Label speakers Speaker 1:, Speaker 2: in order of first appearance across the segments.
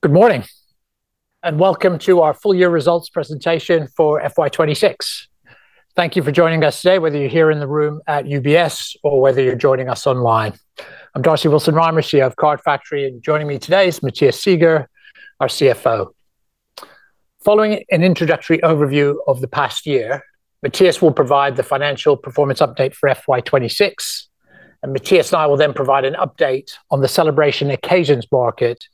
Speaker 1: Good morning, and welcome to our full year results presentation for FY 2026. Thank you for joining us today, whether you're here in the room at UBS or whether you're joining us online. I'm Darcy Willson-Rymer, CEO of Card Factory, and joining me today is Matthias Seeger, our CFO. Following an introductory overview of the past year, Matthias will provide the financial performance update for FY 2026, and Matthias and I will then provide an update on the celebration occasions market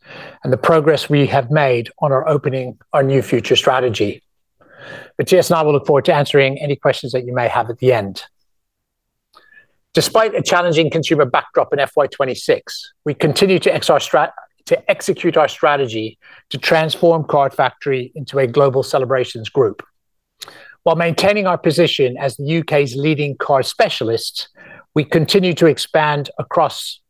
Speaker 1: and the progress we have made on our Opening Our New Future strategy. Matthias and I will look forward to answering any questions that you may have at the end. Despite a challenging consumer backdrop in FY 2026, we continue to execute our strategy to transform Card Factory into a global celebrations group. While maintaining our position as the U.K.'s leading card specialist, we continue to expand across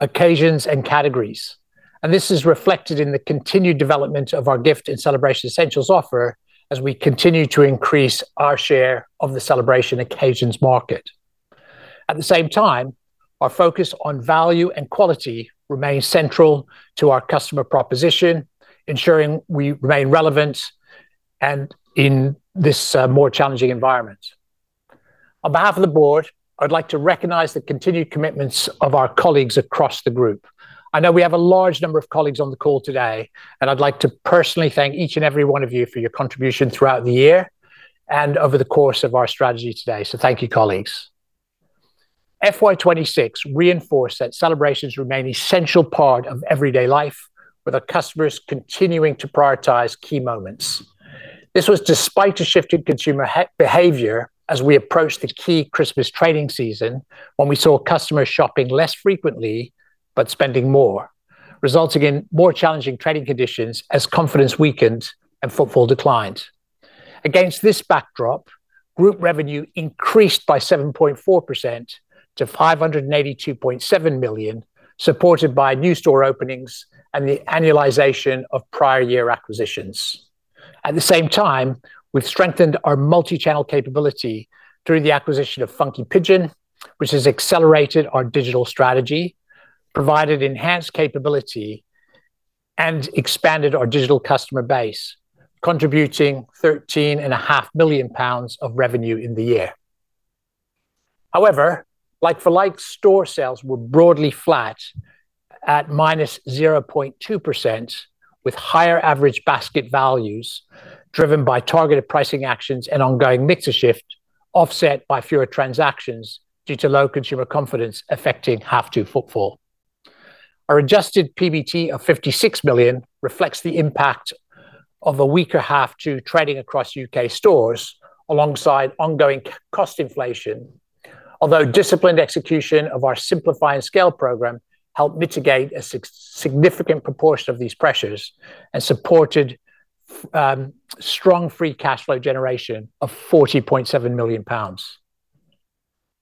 Speaker 1: occasions and categories. This is reflected in the continued development of our gift and celebration essentials offer as we continue to increase our share of the celebration occasions market. At the same time, our focus on value and quality remains central to our customer proposition, ensuring we remain relevant and in this more challenging environment. On behalf of the board, I would like to recognize the continued commitments of our colleagues across the group. I know we have a large number of colleagues on the call today, and I'd like to personally thank each and every one of you for your contribution throughout the year and over the course of our strategy today. Thank you, colleagues. FY 2026 reinforced that celebrations remain essential part of everyday life, with our customers continuing to prioritize key moments. This was despite a shift in consumer behavior as we approached the key Christmas trading season, when we saw customers shopping less frequently but spending more, resulting in more challenging trading conditions as confidence weakened and footfall declined. Against this backdrop, group revenue increased by 7.4% to 582.7 million, supported by new store openings and the annualization of prior year acquisitions. At the same time, we've strengthened our multi-channel capability through the acquisition of Funky Pigeon, which has accelerated our digital strategy, provided enhanced capability, and expanded our digital customer base, contributing 13.5 million pounds of revenue in the year. However, like-for-like store sales were broadly flat at -0.2%, with higher average basket values driven by targeted pricing actions and ongoing mix shift offset by fewer transactions due to low consumer confidence affecting half two footfall. Our adjusted PBT of 56 million reflects the impact of a weaker half two trading across U.K. stores alongside ongoing cost inflation. Although disciplined execution of our Simplify and Scale program helped mitigate a significant proportion of these pressures and supported strong free cash flow generation of 40.7 million pounds.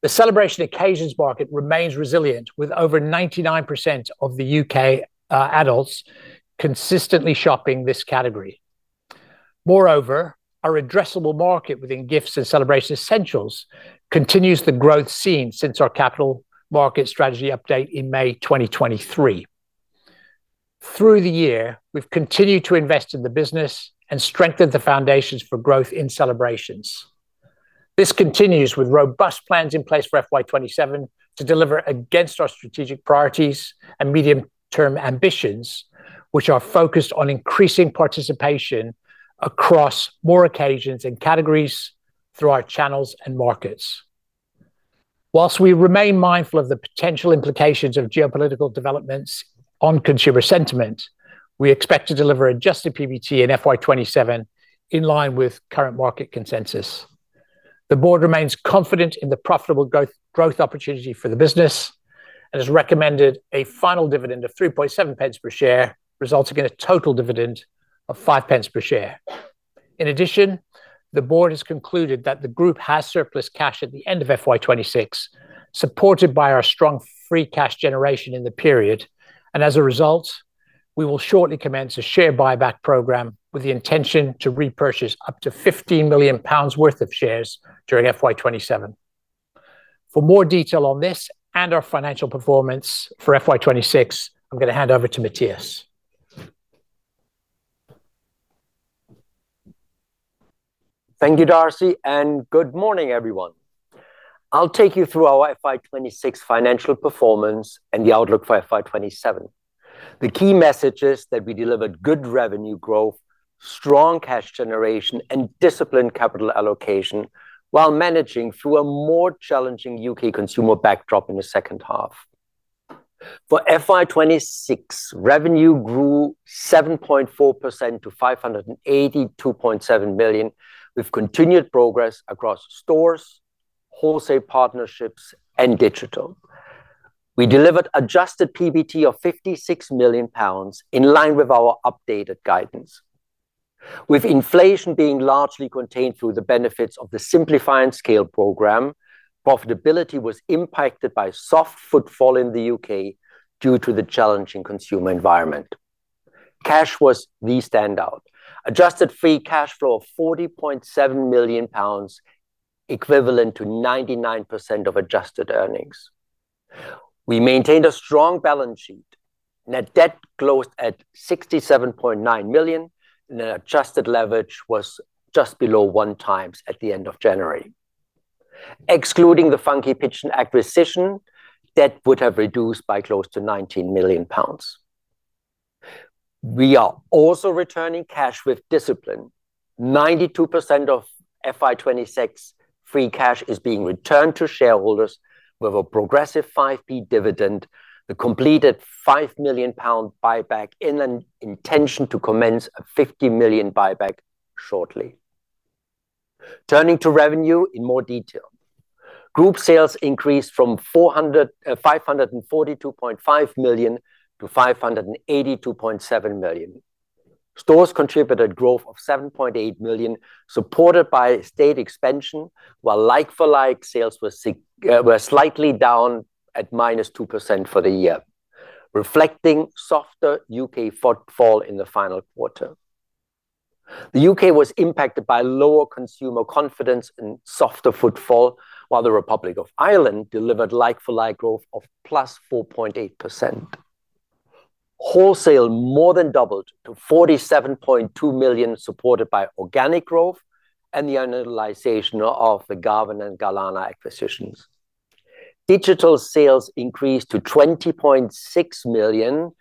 Speaker 1: The celebration occasions market remains resilient, with over 99% of the U.K. adults consistently shopping this category. Moreover, our addressable market within gifts and celebration essentials continues the growth seen since our capital market strategy update in May 2023. Through the year, we've continued to invest in the business and strengthened the foundations for growth in celebrations. This continues with robust plans in place for FY 2027 to deliver against our strategic priorities and medium-term ambitions, which are focused on increasing participation across more occasions and categories through our channels and markets. While we remain mindful of the potential implications of geopolitical developments on consumer sentiment, we expect to deliver adjusted PBT in FY 2027 in line with current market consensus. The board remains confident in the profitable growth opportunity for the business and has recommended a final dividend of 0.037 per share, resulting in a total dividend of 0.05 per share. In addition, the board has concluded that the group has surplus cash at the end of FY 2026, supported by our strong free cash generation in the period. As a result, we will shortly commence a share buyback program with the intention to repurchase up to 15 million pounds worth of shares during FY 2027. For more detail on this and our financial performance for FY 2026, I'm gonna hand over to Matthias.
Speaker 2: Thank you, Darcy, and good morning, everyone. I'll take you through our FY 2026 financial performance and the outlook for FY 2027. The key message is that we delivered good revenue growth, strong cash generation, and disciplined capital allocation while managing through a more challenging U.K. consumer backdrop in the second half. For FY 2026, revenue grew 7.4% to 582.7 million, with continued progress across stores, wholesale partnerships, and digital. We delivered adjusted PBT of 56 million pounds, in line with our updated guidance. With inflation being largely contained through the benefits of the Simplify and Scale program, profitability was impacted by soft footfall in the U.K. due to the challenging consumer environment. Cash was the standout. Adjusted free cash flow of 40.7 million pounds, equivalent to 99% of adjusted earnings. We maintained a strong balance sheet. Net debt closed at 67.9 million, and the adjusted leverage was just below 1x at the end of January. Excluding the Funky Pigeon acquisition, debt would have reduced by close to 19 million pounds. We are also returning cash with discipline. 92% of FY 2026 free cash is being returned to shareholders with a progressive 5p dividend, the completed 5 million pound buyback and an intention to commence a 50 million buyback shortly. Turning to revenue in more detail. Group sales increased from 542.5 million to 582.7 million. Stores contributed growth of 7.8 million, supported by estate expansion, while like-for-like sales were slightly down at -2% for the year, reflecting softer U.K. footfall in the final quarter. The U.K. was impacted by lower consumer confidence and softer footfall, while the Republic of Ireland delivered like-for-like growth of +4.8%. Wholesale more than doubled to 47.2 million, supported by organic growth and the finalization of the Garven and Garlanna acquisitions. Digital sales increased to 20.6 million,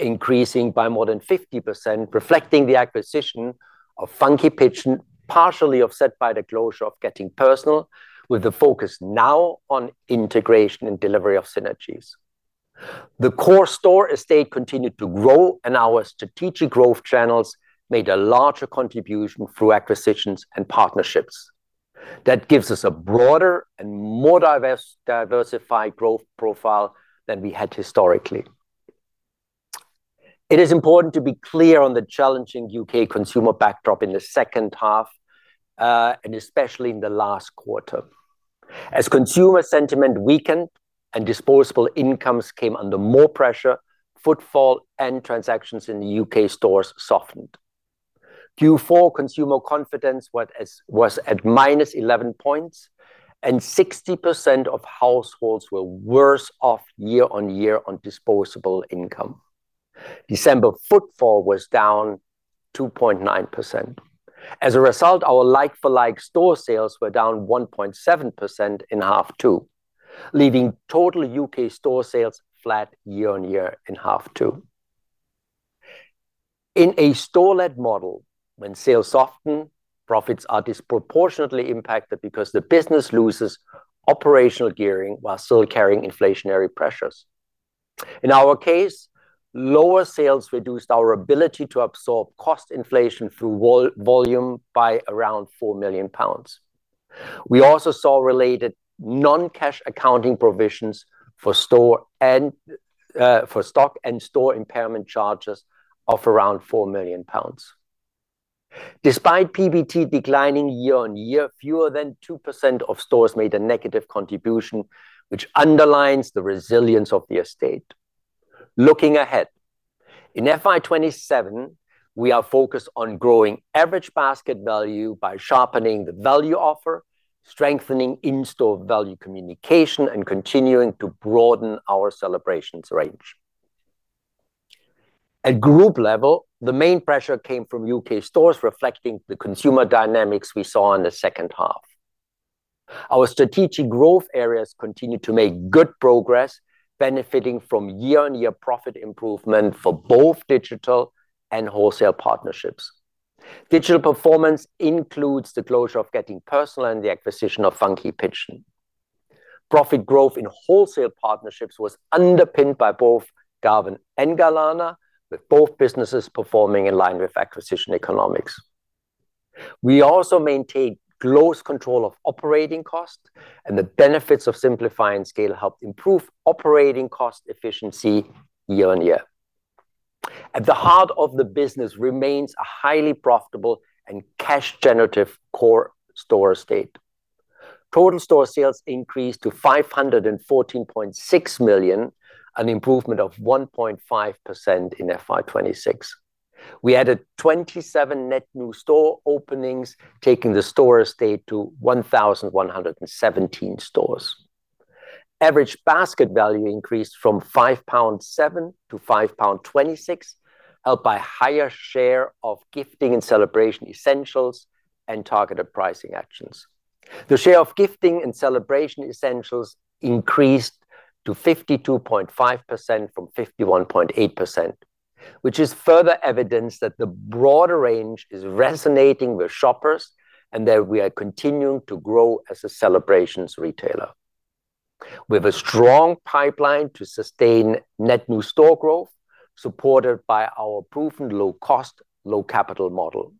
Speaker 2: increasing by more than 50%, reflecting the acquisition of Funky Pigeon, partially offset by the closure of Getting Personal, with the focus now on integration and delivery of synergies. The core store estate continued to grow, and our strategic growth channels made a larger contribution through acquisitions and partnerships. That gives us a broader and more diversified growth profile than we had historically. It is important to be clear on the challenging U.K. consumer backdrop in the second half, and especially in the last quarter. As consumer sentiment weakened and disposable incomes came under more pressure, footfall and transactions in the U.K. stores softened. Q4 consumer confidence was at -11 points, and 60% of households were worse off year-on-year on disposable income. December footfall was down 2.9%. As a result, our like-for-like store sales were down 1.7% in half two, leaving total U.K. store sales flat year-on-year in half two. In a store-led model, when sales soften, profits are disproportionately impacted because the business loses operational gearing while still carrying inflationary pressures. In our case, lower sales reduced our ability to absorb cost inflation through volume by around 4 million pounds. We also saw related non-cash accounting provisions for stock and store impairment charges of around 4 million pounds. Despite PBT declining year-on-year, fewer than 2% of stores made a negative contribution which underlines the resilience of the estate. Looking ahead, in FY 2027, we are focused on growing average basket value by sharpening the value offer, strengthening in-store value communication, and continuing to broaden our celebrations range. At group level, the main pressure came from U.K. stores reflecting the consumer dynamics we saw in the second half. Our strategic growth areas continued to make good progress, benefiting from year-on-year profit improvement for both digital and wholesale partnerships. Digital performance includes the closure of Getting Personal and the acquisition of Funky Pigeon. Profit growth in wholesale partnerships was underpinned by both Garven and Garlanna, with both businesses performing in line with acquisition economics. We also maintained close control of operating costs, and the benefits of Simplify and Scale helped improve operating cost efficiency year-on-year. At the heart of the business remains a highly profitable and cash generative core store estate. Total store sales increased to 514.6 million, an improvement of 1.5% in FY 2026. We added 27 net new store openings, taking the store estate to 1,117 stores. Average basket value increased from 5.07 pounds to 5.26 pound, helped by higher share of gifting and celebration essentials and targeted pricing actions. The share of gifting and celebration essentials increased to 52.5% from 51.8%, which is further evidence that the broader range is resonating with shoppers and that we are continuing to grow as a celebrations retailer. We have a strong pipeline to sustain net new store growth, supported by our proven low cost, low capital model.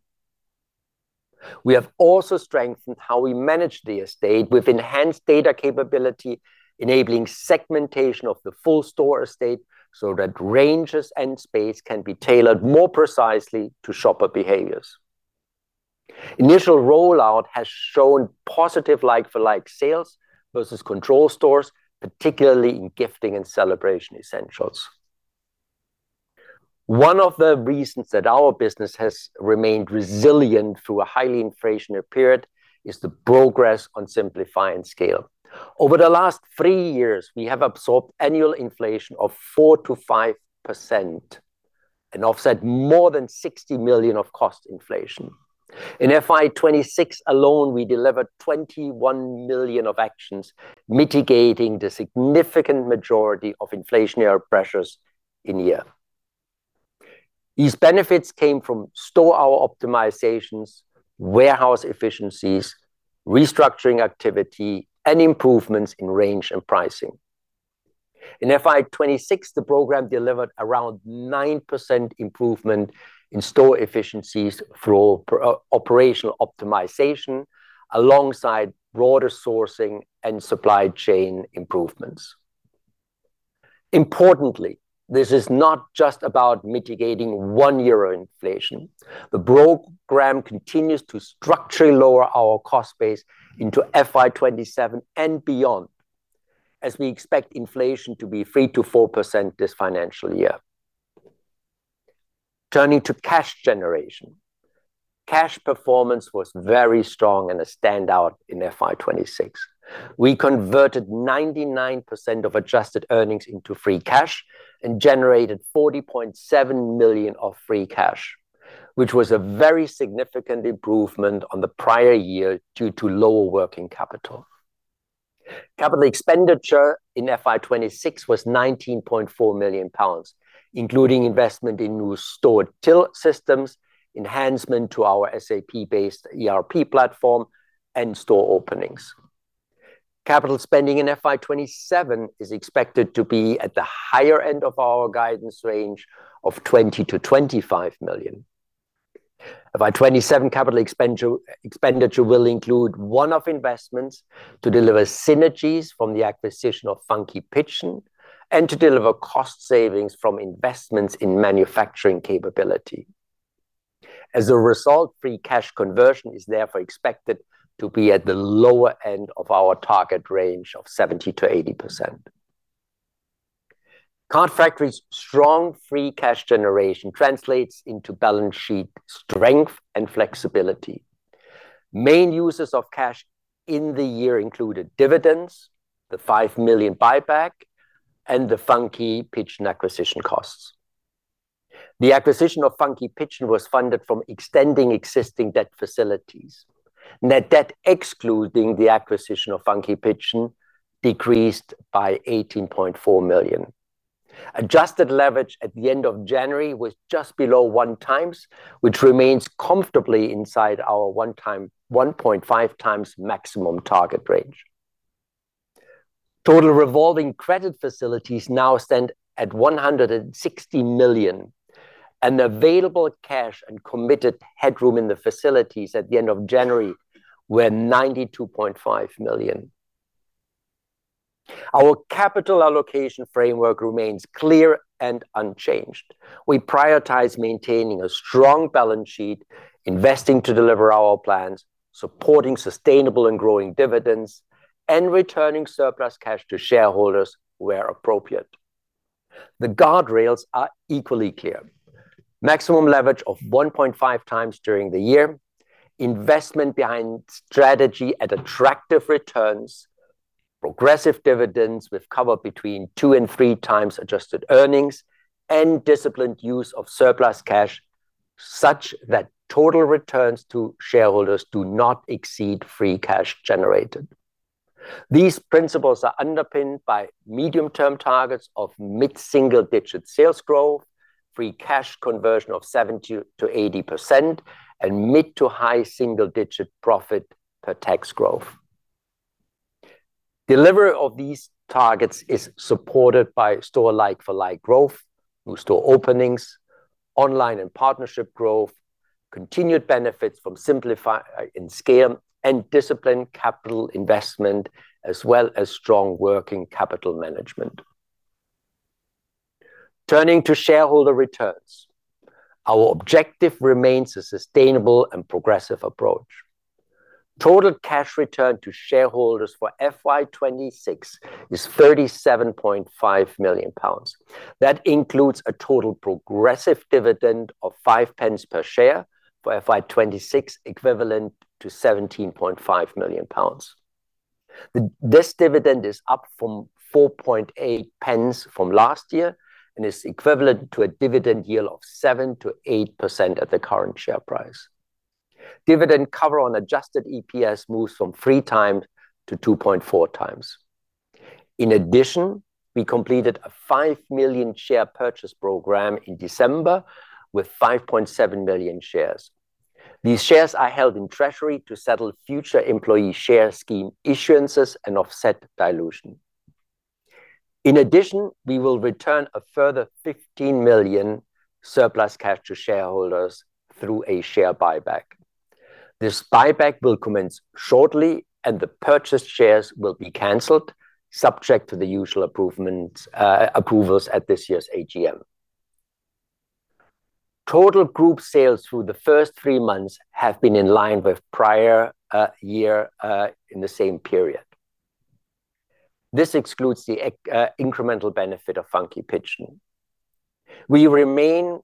Speaker 2: We have also strengthened how we manage the estate with enhanced data capability, enabling segmentation of the full store estate so that ranges and space can be tailored more precisely to shopper behaviors. Initial rollout has shown positive like-for-like sales versus control stores, particularly in gifting and celebration essentials. One of the reasons that our business has remained resilient through a highly inflationary period is the progress on Simplify and Scale. Over the last three years, we have absorbed annual inflation of 4%-5% and offset more than 60 million of cost inflation. In FY 2026 alone, we delivered 21 million of actions, mitigating the significant majority of inflationary pressures in the year. These benefits came from store hour optimizations, warehouse efficiencies, restructuring activity, and improvements in range and pricing. In FY 2026, the program delivered around 9% improvement in store efficiencies through operational optimization alongside broader sourcing and supply chain improvements. Importantly, this is not just about mitigating one year of inflation. The program continues to structurally lower our cost base into FY 2027 and beyond, as we expect inflation to be 3%-4% this financial year. Turning to cash generation. Cash performance was very strong and a standout in FY 2026. We converted 99% of adjusted earnings into free cash and generated 40.7 million of free cash, which was a very significant improvement on the prior year due to lower working capital. Capital expenditure in FY 2026 was 19.4 million pounds, including investment in new store till systems, enhancement to our SAP-based ERP platform, and store openings. Capital spending in FY 2027 is expected to be at the higher end of our guidance range of 20 million-25 million. FY 2027 capital expenditure will include one-off investments to deliver synergies from the acquisition of Funky Pigeon and to deliver cost savings from investments in manufacturing capability. As a result, free cash conversion is therefore expected to be at the lower end of our target range of 70%-80%. Card Factory's strong free cash generation translates into balance sheet strength and flexibility. Main uses of cash in the year included dividends, the 5 million buyback, and the Funky Pigeon acquisition costs. The acquisition of Funky Pigeon was funded from extending existing debt facilities. Net debt excluding the acquisition of Funky Pigeon decreased by 18.4 million. Adjusted leverage at the end of January was just below 1x, which remains comfortably inside our 1.5x maximum target range. Total revolving credit facilities now stand at 160 million, and available cash and committed headroom in the facilities at the end of January were 92.5 million. Our capital allocation framework remains clear and unchanged. We prioritize maintaining a strong balance sheet, investing to deliver our plans, supporting sustainable and growing dividends, and returning surplus cash to shareholders where appropriate. The guardrails are equally clear. Maximum leverage of 1.5x during the year, investment behind strategy at attractive returns, progressive dividends with cover between 2x and 3x adjusted earnings, and disciplined use of surplus cash such that total returns to shareholders do not exceed free cash generated. These principles are underpinned by medium-term targets of mid-single-digit sales growth, free cash conversion of 70%-80%, and mid- to high-single-digit profit before tax growth. Delivery of these targets is supported by store like-for-like growth, new store openings, online and partnership growth, continued benefits from Simplify and Scale, and disciplined capital investment, as well as strong working capital management. Turning to shareholder returns. Our objective remains a sustainable and progressive approach. Total cash return to shareholders for FY 2026 is 37.5 million pounds. That includes a total progressive dividend of 0.05 Per share for FY 2026, equivalent to 17.5 million pounds. This dividend is up from 0.048 from last year and is equivalent to a dividend yield of 7%-8% at the current share price. Dividend cover on adjusted EPS moves from 3x to 2.4x. In addition, we completed a 5 million share purchase program in December with 5.7 million shares. These shares are held in treasury to settle future employee share scheme issuances and offset dilution. In addition, we will return a further 15 million surplus cash to shareholders through a share buyback. This buyback will commence shortly, and the purchased shares will be canceled subject to the usual approvals at this year's AGM. Total group sales through the first three months have been in line with prior year in the same period. This excludes the incremental benefit of Funky Pigeon. We remain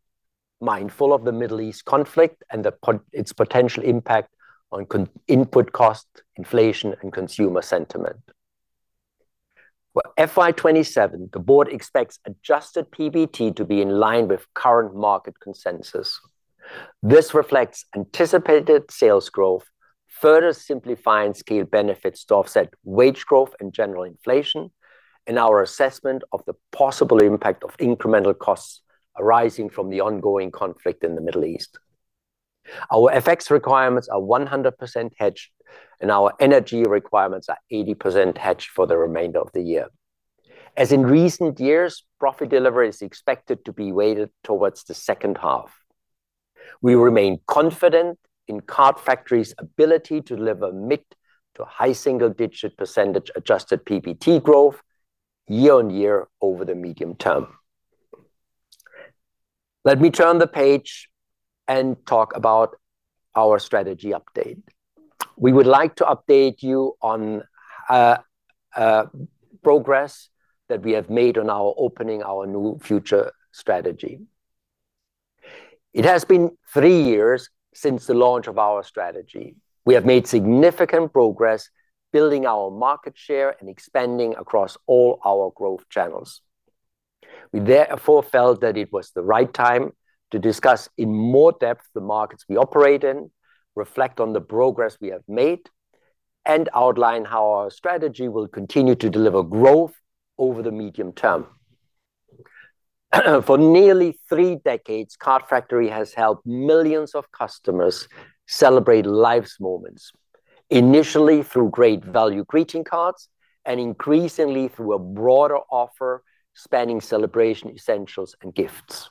Speaker 2: mindful of the Middle East conflict and its potential impact on input costs, inflation, and consumer sentiment. For FY 2027, the board expects adjusted PBT to be in line with current market consensus. This reflects anticipated sales growth, further Simplify and Scale benefits to offset wage growth and general inflation in our assessment of the possible impact of incremental costs arising from the ongoing conflict in the Middle East. Our FX requirements are 100% hedged, and our energy requirements are 80% hedged for the remainder of the year. As in recent years, profit delivery is expected to be weighted towards the second half. We remain confident in Card Factory's ability to deliver mid- to high single-digit percentage adjusted PBT growth year-on-year over the medium term. Let me turn the page and talk about our strategy update. We would like to update you on progress that we have made on our Opening Our New Future strategy. It has been three years since the launch of our strategy. We have made significant progress building our market share and expanding across all our growth channels. We therefore felt that it was the right time to discuss in more depth the markets we operate in, reflect on the progress we have made, and outline how our strategy will continue to deliver growth over the medium term. For nearly three decades, Card Factory has helped millions of customers celebrate life's moments, initially through great value greeting cards and increasingly through a broader offer spanning celebration essentials and gifts.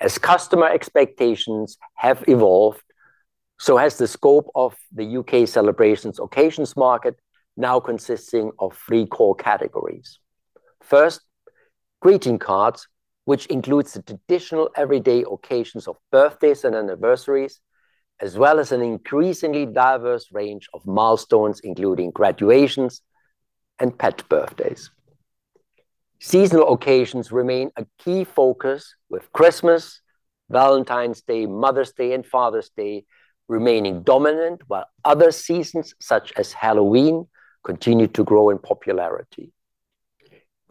Speaker 2: As customer expectations have evolved, so has the scope of the U.K. celebrations occasions market, now consisting of three core categories. First, greeting cards, which includes the traditional everyday occasions of birthdays and anniversaries, as well as an increasingly diverse range of milestones, including graduations and pet birthdays. Seasonal occasions remain a key focus, with Christmas, Valentine's Day, Mother's Day, and Father's Day remaining dominant, while other seasons, such as Halloween, continue to grow in popularity.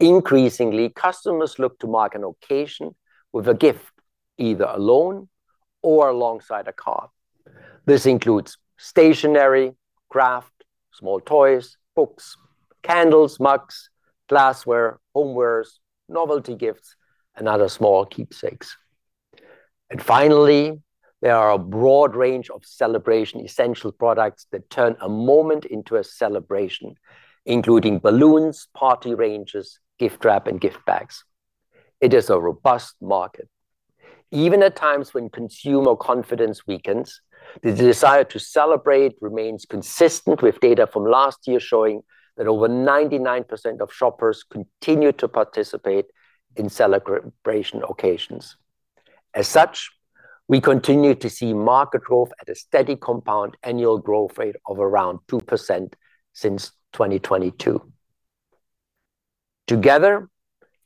Speaker 2: Increasingly, customers look to mark an occasion with a gift, either alone or alongside a card. This includes stationery, craft, small toys, books, candles, mugs, glassware, homewares, novelty gifts, and other small keepsakes. Finally, there are a broad range of celebration essential products that turn a moment into a celebration, including balloons, party ranges, gift wrap, and gift bags. It is a robust market. Even at times when consumer confidence weakens, the desire to celebrate remains consistent, with data from last year showing that over 99% of shoppers continue to participate in celebration occasions. As such, we continue to see market growth at a steady compound annual growth rate of around 2% since 2022. Together,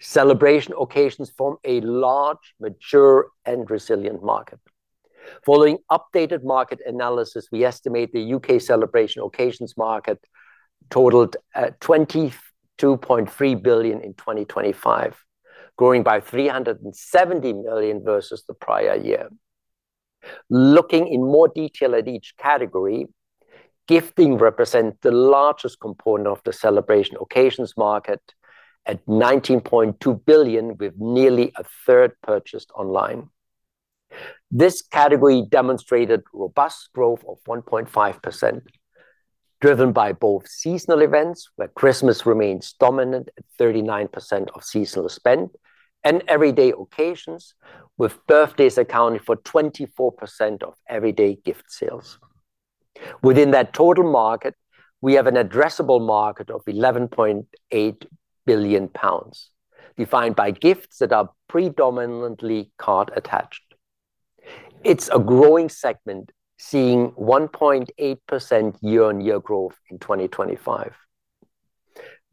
Speaker 2: celebration occasions form a large, mature, and resilient market. Following updated market analysis, we estimate the U.K. celebration occasions market totaled 22.3 billion in 2025, growing by 370 million versus the prior year. Looking in more detail at each category, gifting represent the largest component of the celebration occasions market at 19.2 billion, with nearly a third purchased online. This category demonstrated robust growth of 1.5%, driven by both seasonal events, where Christmas remains dominant at 39% of seasonal spend, and everyday occasions, with birthdays accounting for 24% of everyday gift sales. Within that total market, we have an addressable market of 11.8 billion pounds, defined by gifts that are predominantly card attached. It's a growing segment, seeing 1.8% year-on-year growth in 2025.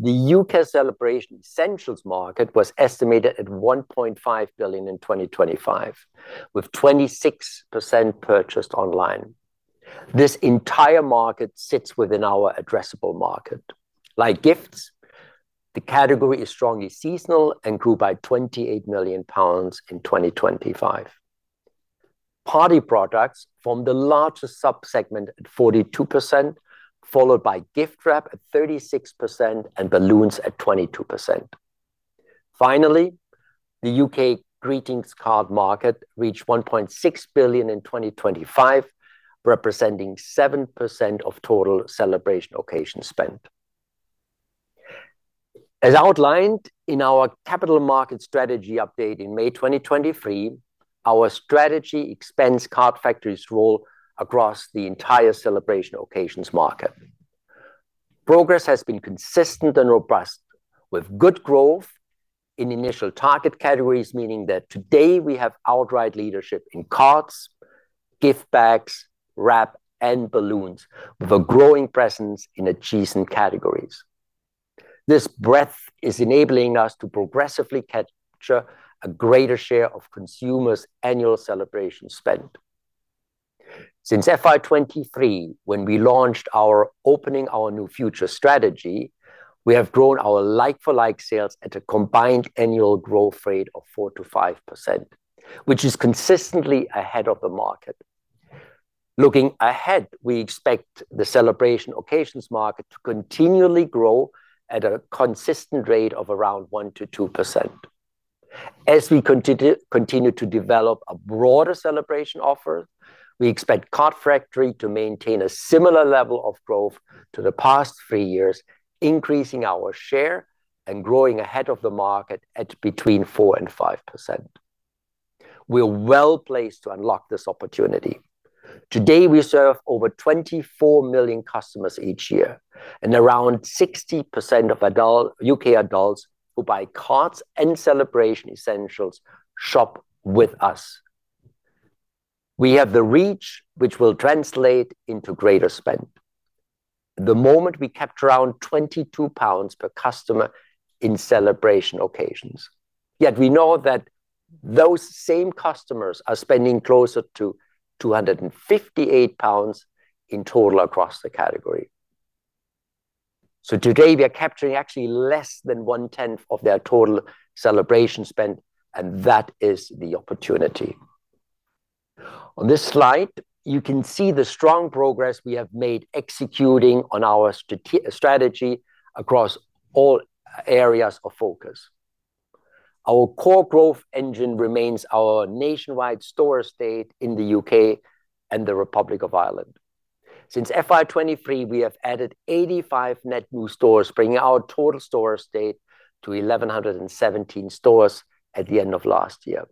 Speaker 2: The U.K. celebration essentials market was estimated at 1.5 billion in 2025, with 26% purchased online. This entire market sits within our addressable market. Like gifts, the category is strongly seasonal and grew by 28 million pounds in 2025. Party products form the largest subsegment at 42%, followed by gift wrap at 36% and balloons at 22%. Finally, the U.K. greetings card market reached 1.6 billion in 2025, representing 7% of total celebration occasion spend. As outlined in our capital market strategy update in May 2023, our strategy expands Card Factory's role across the entire celebration occasions market. Progress has been consistent and robust, with good growth in initial target categories, meaning that today we have outright leadership in cards, gift bags, wrap, and balloons, with a growing presence in adjacent categories. This breadth is enabling us to progressively capture a greater share of consumers' annual celebration spend. Since FY 2023 when we launched our Opening Our New Future strategy, we have grown our like-for-like sales at a combined annual growth rate of 4%-5%, which is consistently ahead of the market. Looking ahead, we expect the celebration occasions market to continually grow at a consistent rate of around 1%-2%. As we continue to develop a broader celebration offer, we expect Card Factory to maintain a similar level of growth to the past three years, increasing our share and growing ahead of the market at between 4% and 5%. We're well placed to unlock this opportunity. Today, we serve over 24 million customers each year, and around 60% of adult U.K. adults who buy cards and celebration essentials shop with us. We have the reach which will translate into greater spend. At the moment, we capture around 22 pounds per customer in celebration occasions. Yet we know that those same customers are spending closer to 258 pounds in total across the category. Today we are capturing actually less than one-tenth of their total celebration spend, and that is the opportunity. On this slide, you can see the strong progress we have made executing on our strategy across all areas of focus. Our core growth engine remains our nationwide store estate in the U.K. and the Republic of Ireland. Since FY 2023, we have added 85 net new stores, bringing our total store estate to 1,117 stores at the end of last year.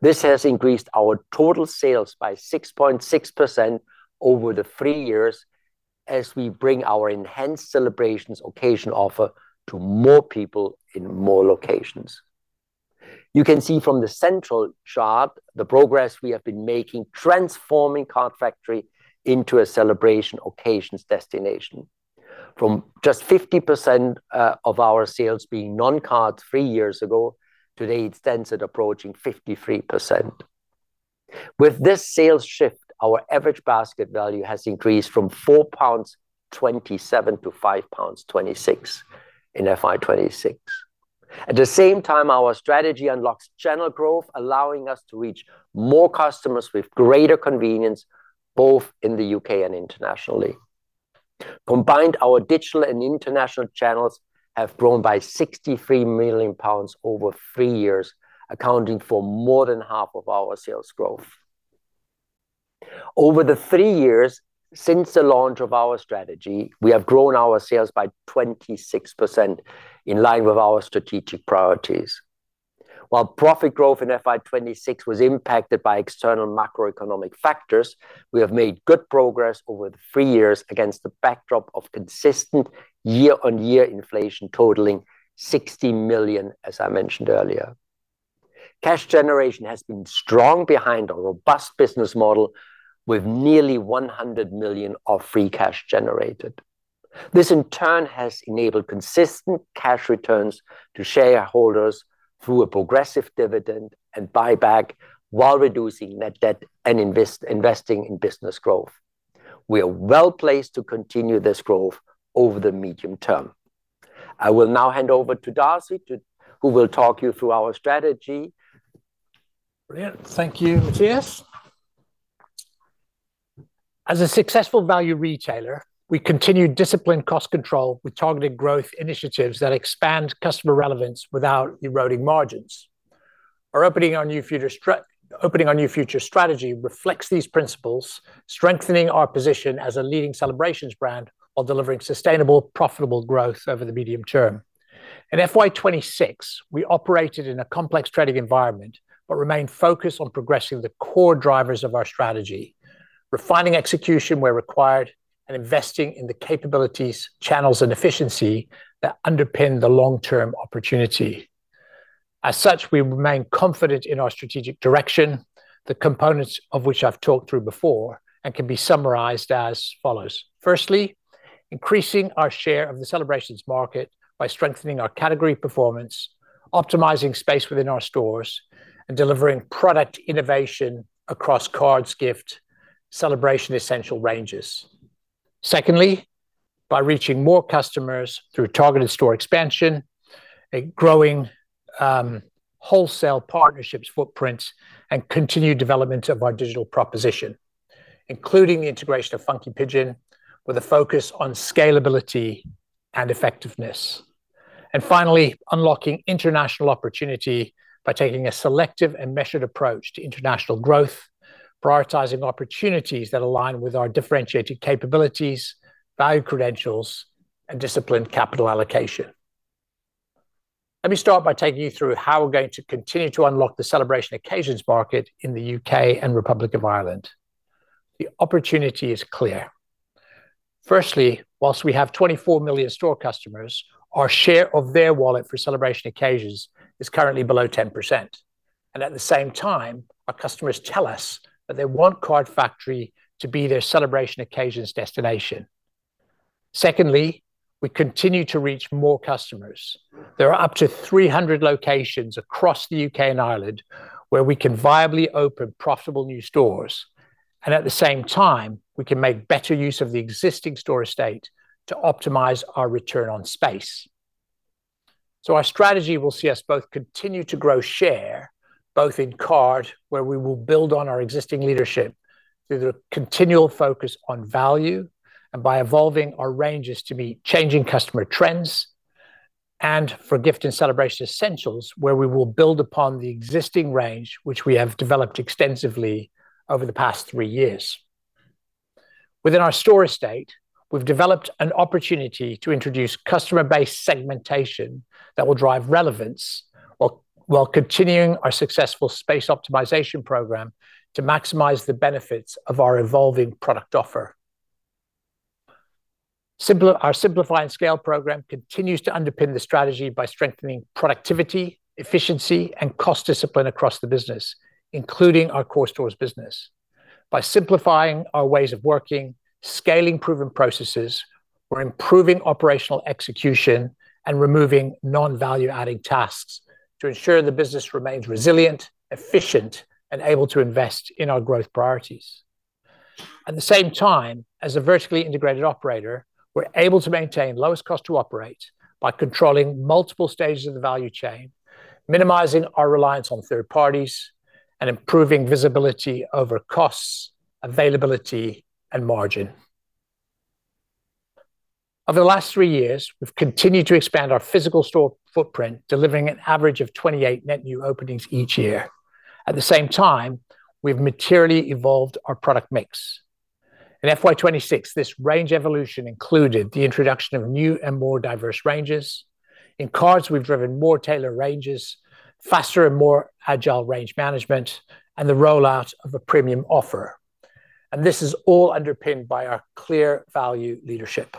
Speaker 2: This has increased our total sales by 6.6% over the three years as we bring our enhanced celebrations occasion offer to more people in more locations. You can see from the central chart the progress we have been making transforming Card Factory into a celebration occasions destination. From just 50% of our sales being non-cards three years ago, today it stands at approaching 53%. With this sales shift, our average basket value has increased from 4.27 pounds to 5.26 pounds in FY 2026. At the same time, our strategy unlocks channel growth, allowing us to reach more customers with greater convenience, both in the U.K. and internationally. Combined, our digital and international channels have grown by 63 million pounds over three years, accounting for more than half of our sales growth. Over the three years since the launch of our strategy, we have grown our sales by 26% in line with our strategic priorities. While profit growth in FY 2026 was impacted by external macroeconomic factors, we have made good progress over the three years against the backdrop of consistent year-on-year inflation totaling 60 million, as I mentioned earlier. Cash generation has been strong behind a robust business model with nearly 100 million of free cash generated. This, in turn, has enabled consistent cash returns to shareholders through a progressive dividend and buyback while reducing net debt and investing in business growth. We are well placed to continue this growth over the medium term. I will now hand over to Darcy who will talk you through our strategy.
Speaker 1: Brilliant. Thank you, Matthias. As a successful value retailer, we continue disciplined cost control with targeted growth initiatives that expand customer relevance without eroding margins. Our Opening Our New Future strategy reflects these principles, strengthening our position as a leading celebrations brand while delivering sustainable, profitable growth over the medium term. In FY 2026, we operated in a complex trading environment but remained focused on progressing the core drivers of our strategy, refining execution where required, and investing in the capabilities, channels, and efficiency that underpin the long-term opportunity. As such, we remain confident in our strategic direction, the components of which I've talked through before and can be summarized as follows. Firstly, increasing our share of the celebrations market by strengthening our category performance, optimizing space within our stores, and delivering product innovation across cards, gift, celebration essentials ranges. Secondly, by reaching more customers through targeted store expansion and growing wholesale partnerships footprints and continued development of our digital proposition, including the integration of Funky Pigeon with a focus on scalability and effectiveness. Finally, unlocking international opportunity by taking a selective and measured approach to international growth, prioritizing opportunities that align with our differentiated capabilities, value credentials, and disciplined capital allocation. Let me start by taking you through how we're going to continue to unlock the celebration occasions market in the U.K. and Republic of Ireland. The opportunity is clear. Firstly, while we have 24 million store customers, our share of their wallet for celebration occasions is currently below 10%. At the same time, our customers tell us that they want Card Factory to be their celebration occasions destination. Secondly, we continue to reach more customers. There are up to 300 locations across the U.K. and Ireland where we can viably open profitable new stores, and at the same time, we can make better use of the existing store estate to optimize our return on space. Our strategy will see us both continue to grow share, both in card, where we will build on our existing leadership through the continual focus on value and by evolving our ranges to meet changing customer trends, and for gift and celebration essentials, where we will build upon the existing range which we have developed extensively over the past three years. Within our store estate, we've developed an opportunity to introduce customer-based segmentation that will drive relevance while continuing our successful space optimization program to maximize the benefits of our evolving product offer. Our Simplify and Scale program continues to underpin the strategy by strengthening productivity, efficiency, and cost discipline across the business, including our core stores business. By simplifying our ways of working, scaling proven processes, we're improving operational execution and removing non-value-adding tasks to ensure the business remains resilient, efficient, and able to invest in our growth priorities. At the same time, as a vertically integrated operator, we're able to maintain lowest cost to operate by controlling multiple stages of the value chain, minimizing our reliance on third parties, and improving visibility over costs, availability, and margin. Over the last three years, we've continued to expand our physical store footprint, delivering an average of 28 net new openings each year. At the same time, we've materially evolved our product mix. In FY 2026, this range evolution included the introduction of new and more diverse ranges. In cards, we've driven more tailored ranges, faster and more agile range management, and the rollout of a premium offer. This is all underpinned by our clear value leadership.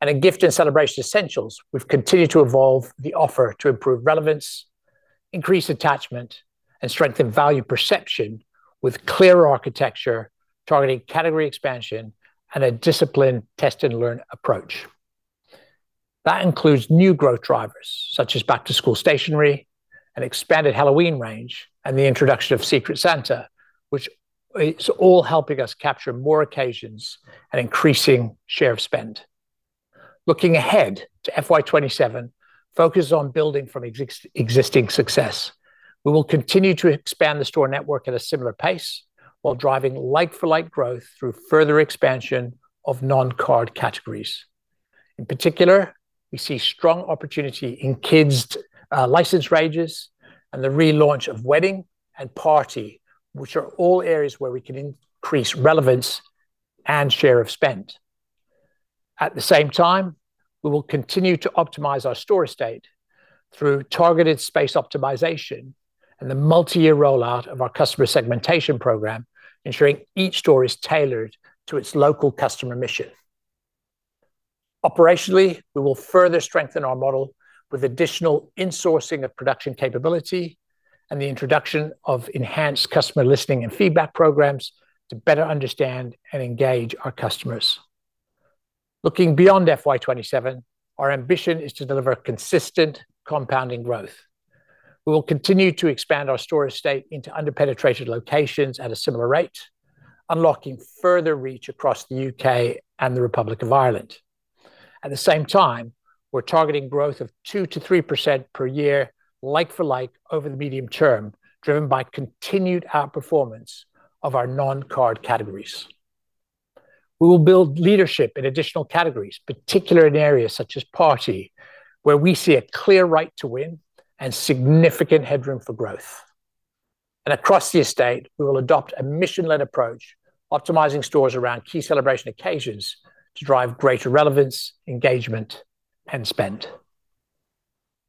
Speaker 1: In gift and celebration essentials, we've continued to evolve the offer to improve relevance, increase attachment, and strengthen value perception with clear architecture targeting category expansion and a disciplined test and learn approach. That includes new growth drivers, such as back-to-school stationery, an expanded Halloween range, and the introduction of Secret Santa, which is all helping us capture more occasions and increasing share of spend. Looking ahead to FY 2027 focuses on building from existing success. We will continue to expand the store network at a similar pace while driving like-for-like growth through further expansion of non-card categories. In particular, we see strong opportunity in kids, license ranges and the relaunch of wedding and party, which are all areas where we can increase relevance and share of spend. At the same time, we will continue to optimize our store estate through targeted space optimization and the multi-year rollout of our customer segmentation program, ensuring each store is tailored to its local customer mission. Operationally, we will further strengthen our model with additional insourcing of production capability and the introduction of enhanced customer listening and feedback programs to better understand and engage our customers. Looking beyond FY 2027, our ambition is to deliver consistent compounding growth. We will continue to expand our store estate into underpenetrated locations at a similar rate, unlocking further reach across the U.K. and the Republic of Ireland. At the same time, we're targeting growth of 2%-3% per year like-for-like over the medium term, driven by continued outperformance of our non-card categories. We will build leadership in additional categories, particularly in areas such as party, where we see a clear right to win and significant headroom for growth. Across the estate, we will adopt a mission-led approach, optimizing stores around key celebration occasions to drive greater relevance, engagement, and spend.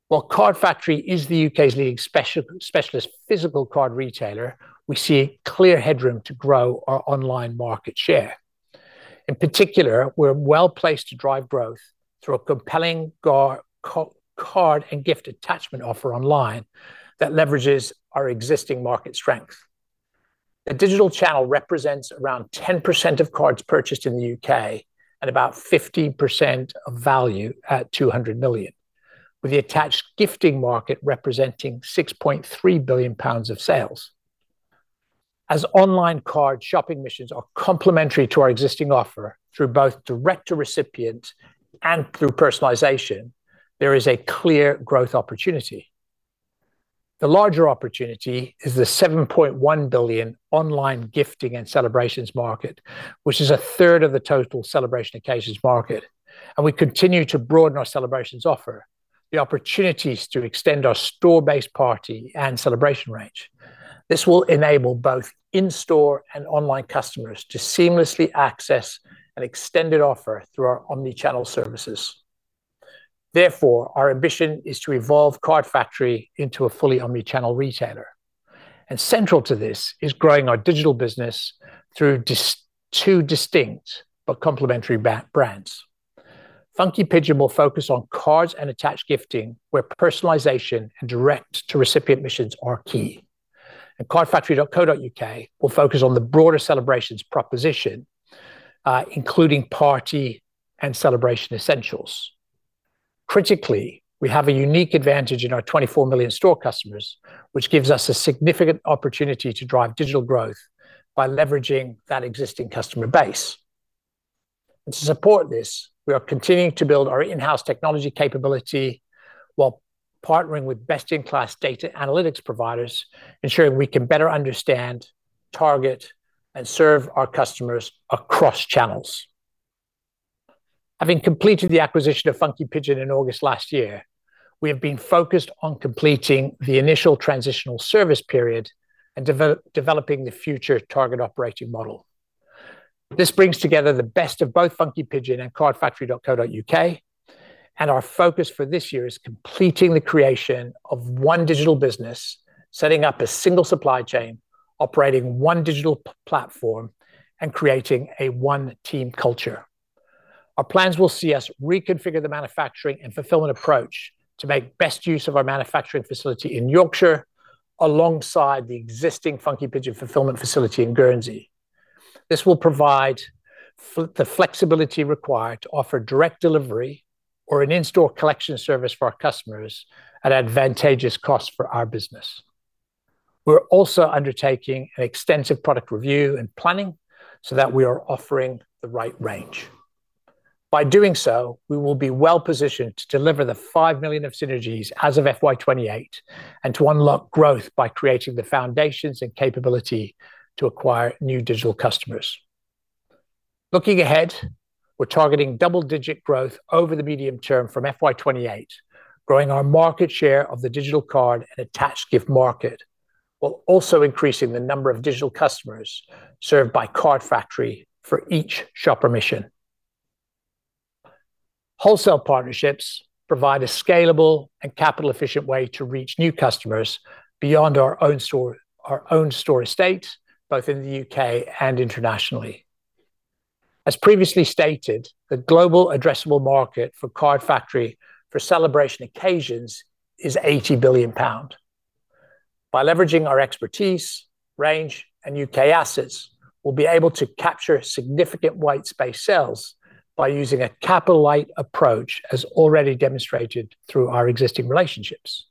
Speaker 1: While Card Factory is the U.K.'s leading specialist physical card retailer, we see clear headroom to grow our online market share. In particular, we're well-placed to drive growth through a compelling card and gift attachment offer online that leverages our existing market strength. The digital channel represents around 10% of cards purchased in the U.K. and about 15% of value at 200 million, with the attached gifting market representing 6.3 billion pounds of sales. Online card shopping missions are complementary to our existing offer through both direct to recipient and through personalization. There is a clear growth opportunity. The larger opportunity is the 7.1 billion online gifting and celebrations market, which is a third of the total celebration occasions market. We continue to broaden our celebrations offer the opportunities to extend our store-based party and celebration range. This will enable both in-store and online customers to seamlessly access an extended offer through our omni-channel services. Therefore, our ambition is to evolve Card Factory into a fully omni-channel retailer. Central to this is growing our digital business through two distinct but complementary brands. Funky Pigeon will focus on cards and attached gifting, where personalization and direct-to-recipient missions are key. cardfactory.co.uk will focus on the broader celebrations proposition, including party and celebration essentials. Critically, we have a unique advantage in our 24 million store customers, which gives us a significant opportunity to drive digital growth by leveraging that existing customer base. To support this, we are continuing to build our in-house technology capability while partnering with best-in-class data analytics providers, ensuring we can better understand, target, and serve our customers across channels. Having completed the acquisition of Funky Pigeon in August last year, we have been focused on completing the initial transitional service period and developing the future target operating model. This brings together the best of both Funky Pigeon and cardfactory.co.uk, and our focus for this year is completing the creation of one digital business, setting up a single supply chain, operating one digital platform, and creating a one team culture. Our plans will see us reconfigure the manufacturing and fulfillment approach to make best use of our manufacturing facility in Yorkshire alongside the existing Funky Pigeon fulfillment facility in Guernsey. This will provide the flexibility required to offer direct delivery or an in-store collection service for our customers at advantageous cost for our business. We're also undertaking an extensive product review and planning so that we are offering the right range. By doing so, we will be well-positioned to deliver the 5 million of synergies as of FY 2028 and to unlock growth by creating the foundations and capability to acquire new digital customers. Looking ahead, we're targeting double-digit growth over the medium term from FY 2028, growing our market share of the digital card and attached gift market, while also increasing the number of digital customers served by Card Factory for each shopper mission. Wholesale partnerships provide a scalable and capital efficient way to reach new customers beyond our own store, our own store estate, both in the U.K. and internationally. As previously stated, the global addressable market for Card Factory for celebration occasions is 80 billion pound. By leveraging our expertise, range, and U.K. assets, we'll be able to capture significant white space sales by using a capital light approach, as already demonstrated through our existing relationships.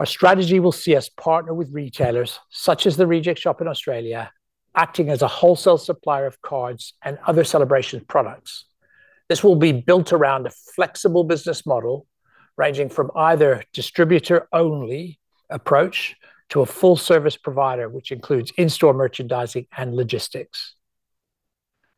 Speaker 1: Our strategy will see us partner with retailers such as The Reject Shop in Australia, acting as a wholesale supplier of cards and other celebration products. This will be built around a flexible business model, ranging from either distributor only approach to a full service provider, which includes in-store merchandising and logistics.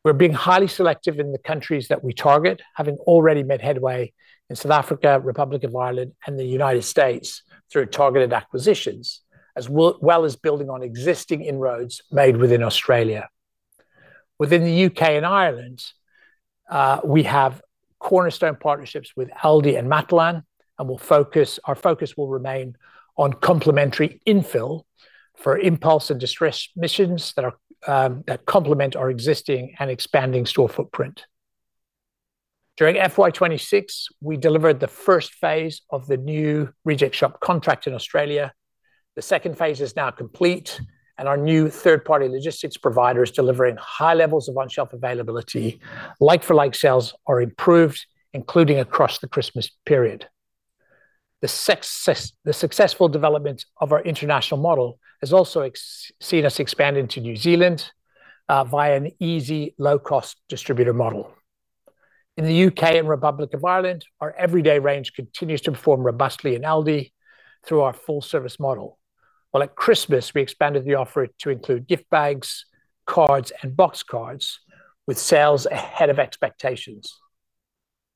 Speaker 1: We're being highly selective in the countries that we target, having already made headway in South Africa, Republic of Ireland, and the United States through targeted acquisitions, as well as building on existing inroads made within Australia. Within the U.K. and Ireland, we have cornerstone partnerships with Aldi and Matalan, and our focus will remain on complementary infill for impulse and distress missions that complement our existing and expanding store footprint. During FY 2026, we delivered the first phase of the new Reject Shop contract in Australia. The second phase is now complete, and our new third-party logistics provider is delivering high levels of on-shelf availability. Like-for-like sales are improved, including across the Christmas period. The success, the successful development of our international model has also seen us expand into New Zealand via an easy low-cost distributor model. In the UK and Republic of Ireland, our everyday range continues to perform robustly in Aldi through our full service model. While at Christmas, we expanded the offer to include gift bags, cards, and boxed cards with sales ahead of expectations.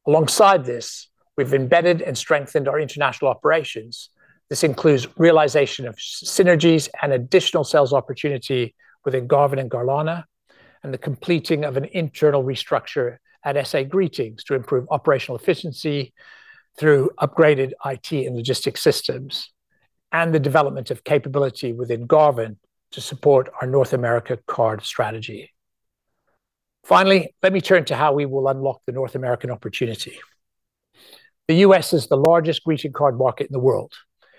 Speaker 1: Alongside this, we've embedded and strengthened our international operations. This includes realization of synergies and additional sales opportunity within Garven and Garlanna, and the completing of an internal restructure at SA Greetings to improve operational efficiency through upgraded IT and logistics systems, and the development of capability within Garven to support our North America card strategy. Finally, let me turn to how we will unlock the North American opportunity. The U.S. is the largest greeting card market in the world.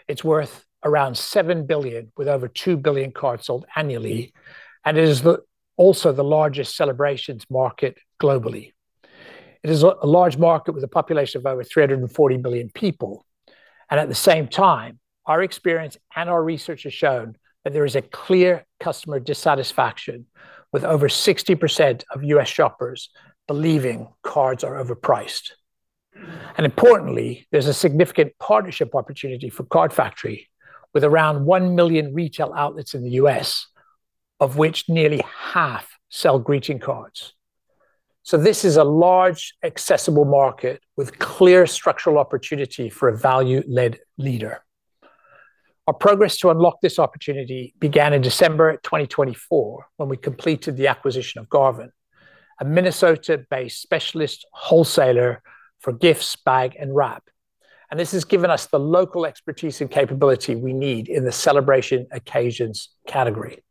Speaker 1: It's worth around $7 billion, with over 2 billion cards sold annually, and it is also the largest celebrations market globally. It is a large market with a population of over 340 million people. At the same time, our experience and our research has shown that there is a clear customer dissatisfaction with over 60% of U.S. shoppers believing cards are overpriced. Importantly, there's a significant partnership opportunity for Card Factory with around 1 million retail outlets in the U.S., of which nearly half sell greeting cards. This is a large accessible market with clear structural opportunity for a value-led leader. Our progress to unlock this opportunity began in December 2024 when we completed the acquisition of Garven, a Minnesota-based specialist wholesaler for gifts, bags and wrap. This has given us the local expertise and capability we need in the celebration occasions category.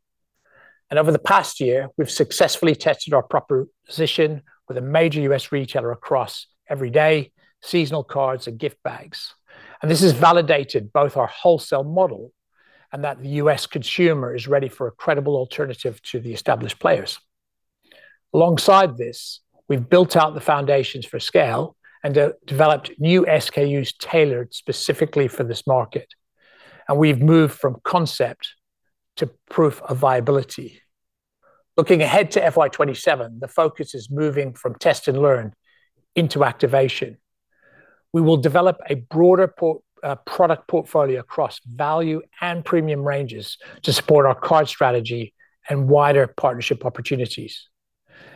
Speaker 1: Over the past year, we've successfully tested our proper position with a major U.S. retailer across every day, seasonal cards and gift bags. This has validated both our wholesale model and that the U.S. consumer is ready for a credible alternative to the established players. Alongside this, we've built out the foundations for scale and developed new SKUs tailored specifically for this market. We've moved from concept to proof of viability. Looking ahead to FY 2027, the focus is moving from test and learn into activation. We will develop a broader product portfolio across value and premium ranges to support our card strategy and wider partnership opportunities.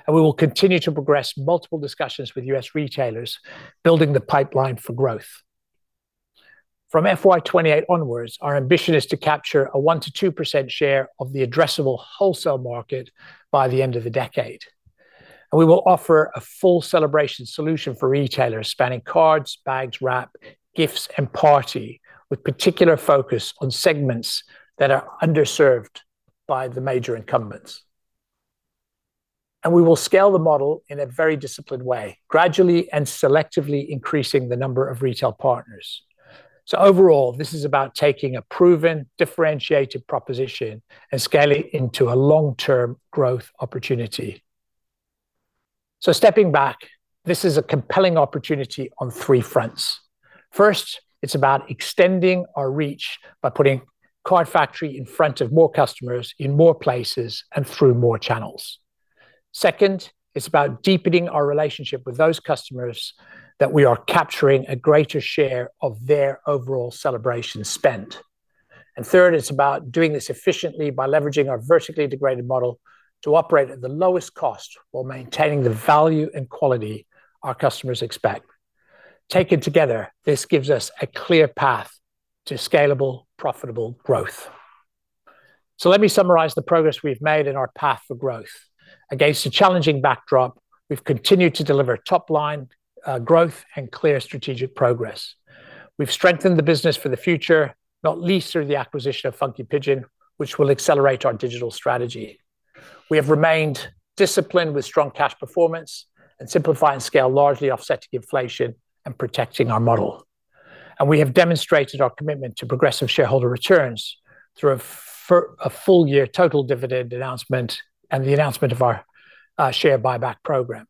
Speaker 1: We will continue to progress multiple discussions with U.S. retailers building the pipeline for growth. From FY 2028 onwards, our ambition is to capture a 1%-2% share of the addressable wholesale market by the end of the decade. We will offer a full celebration solution for retailers spanning cards, bags, wrap, gifts and party, with particular focus on segments that are underserved by the major incumbents. We will scale the model in a very disciplined way, gradually and selectively increasing the number of retail partners. Overall, this is about taking a proven, differentiated proposition and scale it into a long-term growth opportunity. Stepping back, this is a compelling opportunity on three fronts. First, it's about extending our reach by putting Card Factory in front of more customers in more places and through more channels. Second, it's about deepening our relationship with those customers that we are capturing a greater share of their overall celebration spend. Third, it's about doing this efficiently by leveraging our vertically integrated model to operate at the lowest cost while maintaining the value and quality our customers expect. Taken together, this gives us a clear path to scalable, profitable growth. Let me summarize the progress we've made in our path for growth. Against a challenging backdrop, we've continued to deliver top line growth and clear strategic progress. We've strengthened the business for the future, not least through the acquisition of Funky Pigeon, which will accelerate our digital strategy. We have remained disciplined with strong cash performance, and Simplify and Scale largely offsetting inflation and protecting our model. We have demonstrated our commitment to progressive shareholder returns through a full year total dividend announcement and the announcement of our share buyback program.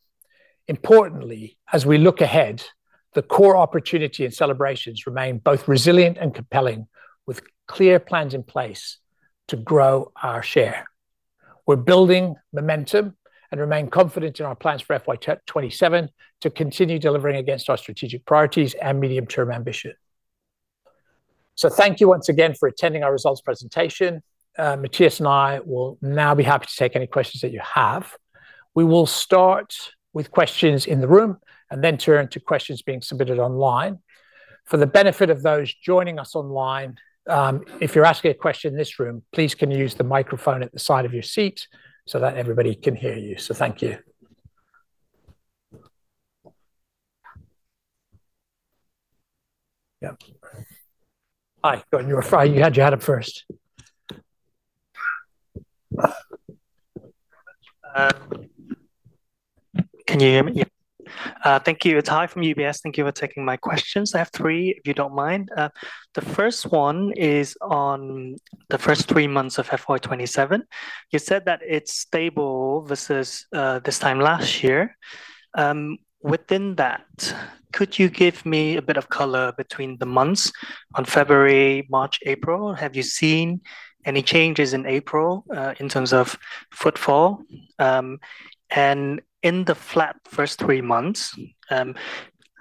Speaker 1: Importantly, as we look ahead, the core opportunity and celebrations remain both resilient and compelling, with clear plans in place to grow our share. We're building momentum and remain confident in our plans for FY 2027 to continue delivering against our strategic priorities and medium-term ambition. Thank you once again for attending our results presentation. Matthias and I will now be happy to take any questions that you have. We will start with questions in the room and then turn to questions being submitted online. For the benefit of those joining us online, if you're asking a question in this room, please can you use the microphone at the side of your seat so that everybody can hear you. Thank you. Yeah. Hi. You had your hand up first.
Speaker 3: Can you hear me? Thank you. It's Hai from UBS. Thank you for taking my questions. I have three, if you don't mind. The first one is on the first three months of FY 2027. You said that it's stable versus this time last year. Within that, could you give me a bit of color between the months on February, March, April? Have you seen any changes in April in terms of footfall? And in the flat first three months,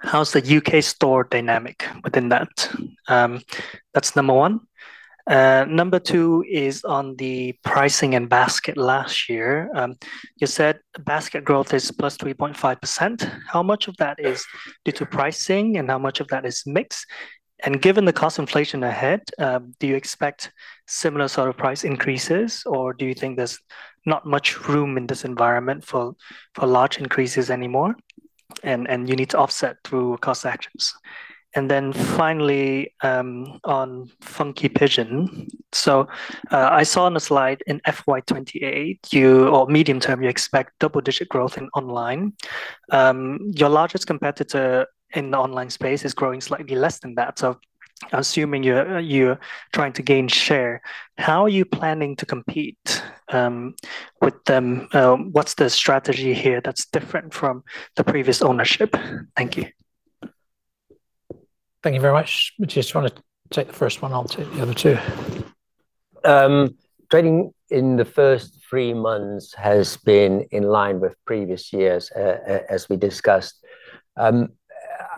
Speaker 3: how's the U.K. store dynamic within that? That's number one. Number two is on the pricing and basket last year. You said basket growth is plus 3.5%. How much of that is due to pricing, and how much of that is mix? Given the cost inflation ahead, do you expect similar sort of price increases, or do you think there's not much room in this environment for large increases anymore and you need to offset through cost actions? Finally, on Funky Pigeon. I saw on a slide in FY 2028 or medium term, you expect double-digit growth in online. Your largest competitor in the online space is growing slightly less than that. Assuming you're trying to gain share, how are you planning to compete with them? What's the strategy here that's different from the previous ownership? Thank you.
Speaker 1: Thank you very much. Matthias, you wanna take the first one? I'll take the other two.
Speaker 2: Trading in the first three months has been in line with previous years, as we discussed.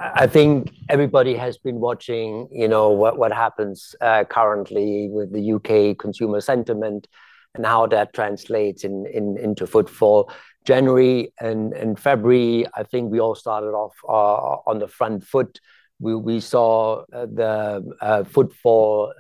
Speaker 2: I think everybody has been watching, you know, what happens currently with the U.K. consumer sentiment and how that translates into footfall. January and February, I think we all started off on the front foot. We saw the footfall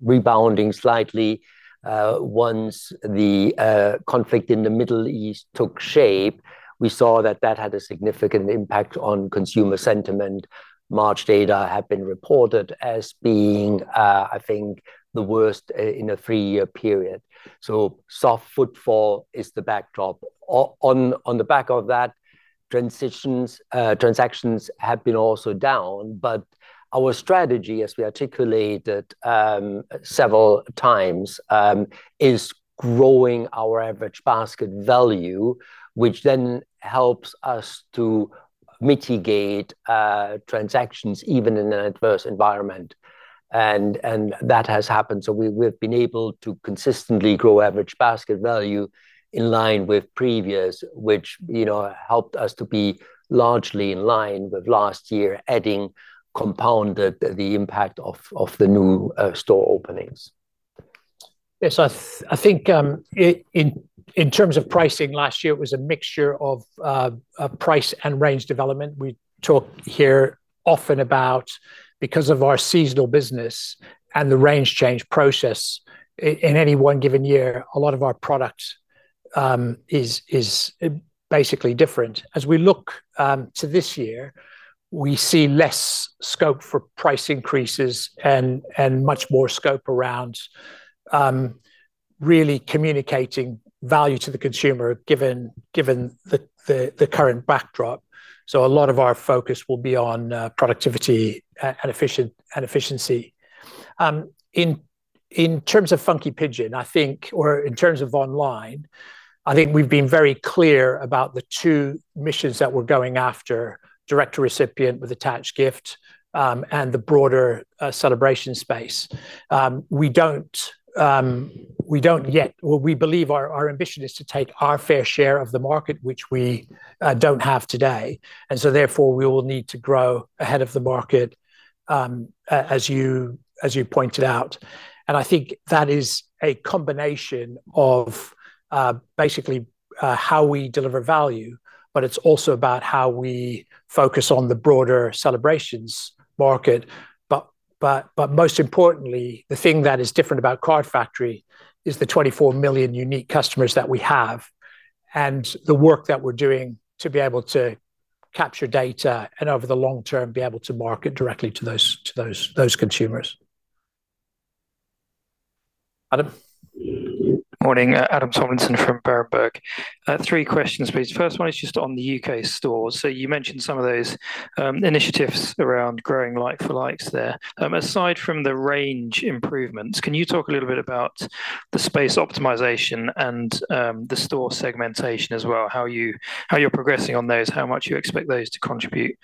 Speaker 2: rebounding slightly. Once the conflict in the Middle East took shape, we saw that had a significant impact on consumer sentiment. March data had been reported as being, I think, the worst in a three-year period. Soft footfall is the backdrop. On the back of that, transactions have been also down. Our strategy, as we articulated several times, is growing our average basket value, which then helps us to mitigate transactions even in an adverse environment, and that has happened. We've been able to consistently grow average basket value in line with previous, which, you know, helped us to be largely in line with last year and compounded the impact of the new store openings.
Speaker 1: Yes. I think in terms of pricing last year it was a mixture of price and range development. We talk here often about because of our seasonal business and the range change process in any one given year, a lot of our products is basically different. As we look to this year, we see less scope for price increases and much more scope around really communicating value to the consumer given the current backdrop. A lot of our focus will be on productivity and efficiency. In terms of Funky Pigeon, I think, or in terms of online, I think we've been very clear about the two missions that we're going after, direct recipient with attached gift, and the broader celebration space. We don't yet. We believe our ambition is to take our fair share of the market which we don't have today, so therefore we will need to grow ahead of the market, as you pointed out. I think that is a combination of basically how we deliver value, but it's also about how we focus on the broader celebrations market. Most importantly, the thing that is different about Card Factory is the 24 million unique customers that we have and the work that we're doing to be able to capture data and over the long term be able to market directly to those consumers. Adam?
Speaker 4: Morning. Adam Tomlinson from Berenberg. Three questions please. First one is just on the U.K. stores. You mentioned some of those initiatives around growing like-for-like there. Aside from the range improvements, can you talk a little bit about the space optimization and the store segmentation as well? How you're progressing on those, how much you expect those to contribute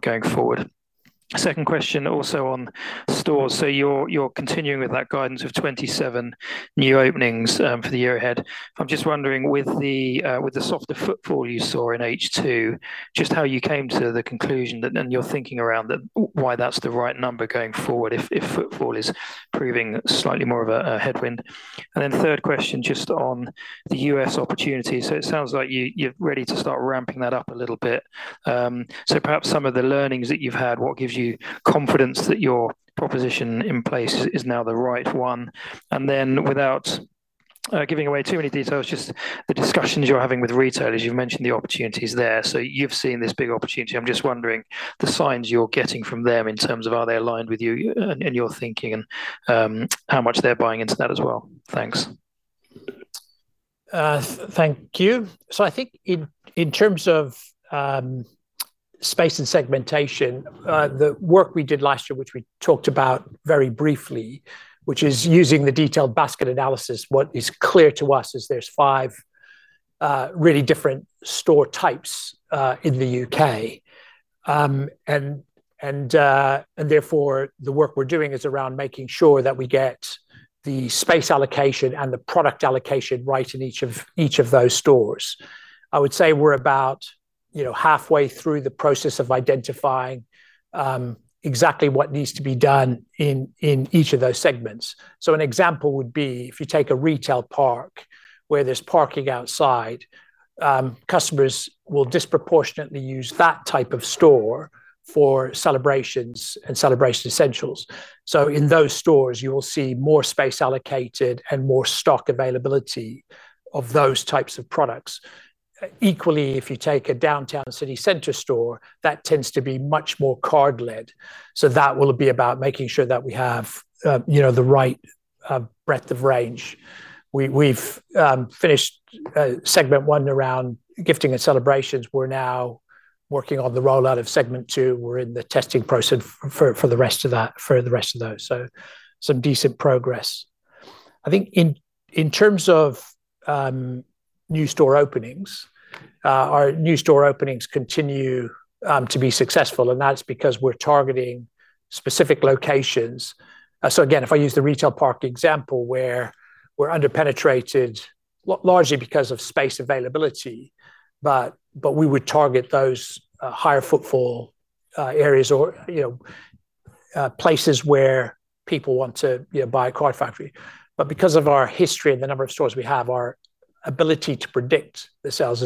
Speaker 4: going forward. Second question also on stores. You're continuing with that guidance of 27 new openings for the year ahead. I'm just wondering with the softer footfall you saw in H2, just how you came to the conclusion, and your thinking around that, why that's the right number going forward if footfall is proving slightly more of a headwind. Then third question just on the U.S. opportunity. It sounds like you're ready to start ramping that up a little bit. Perhaps some of the learnings that you've had, what gives you confidence that your proposition in place is now the right one? Without giving away too many details, just the discussions you're having with retailers, you've mentioned the opportunities there. You've seen this big opportunity, I'm just wondering the signs you're getting from them in terms of are they aligned with you and your thinking and how much they're buying into that as well. Thanks.
Speaker 1: Thank you. I think in terms of space and segmentation, the work we did last year, which we talked about very briefly, which is using the detailed basket analysis, what is clear to us is there's five really different store types in the U.K. Therefore the work we're doing is around making sure that we get the space allocation and the product allocation right in each of those stores. I would say we're about, you know, halfway through the process of identifying exactly what needs to be done in each of those segments. An example would be if you take a retail park where there's parking outside, customers will disproportionately use that type of store for celebrations and celebration essentials. In those stores you will see more space allocated and more stock availability of those types of products. Equally, if you take a downtown city center store, that tends to be much more card led. That will be about making sure that we have the right breadth of range. We've finished segment one around gifting and celebrations. We're now working on the rollout of segment two. We're in the testing process for the rest of those. Some decent progress. I think in terms of new store openings, our new store openings continue to be successful, and that's because we're targeting specific locations. Again, if I use the retail park example where we're under-penetrated largely because of space availability. We would target those higher footfall areas or, you know, places where people want to, you know, buy a Card Factory. Because of our history and the number of stores we have, our ability to predict the sales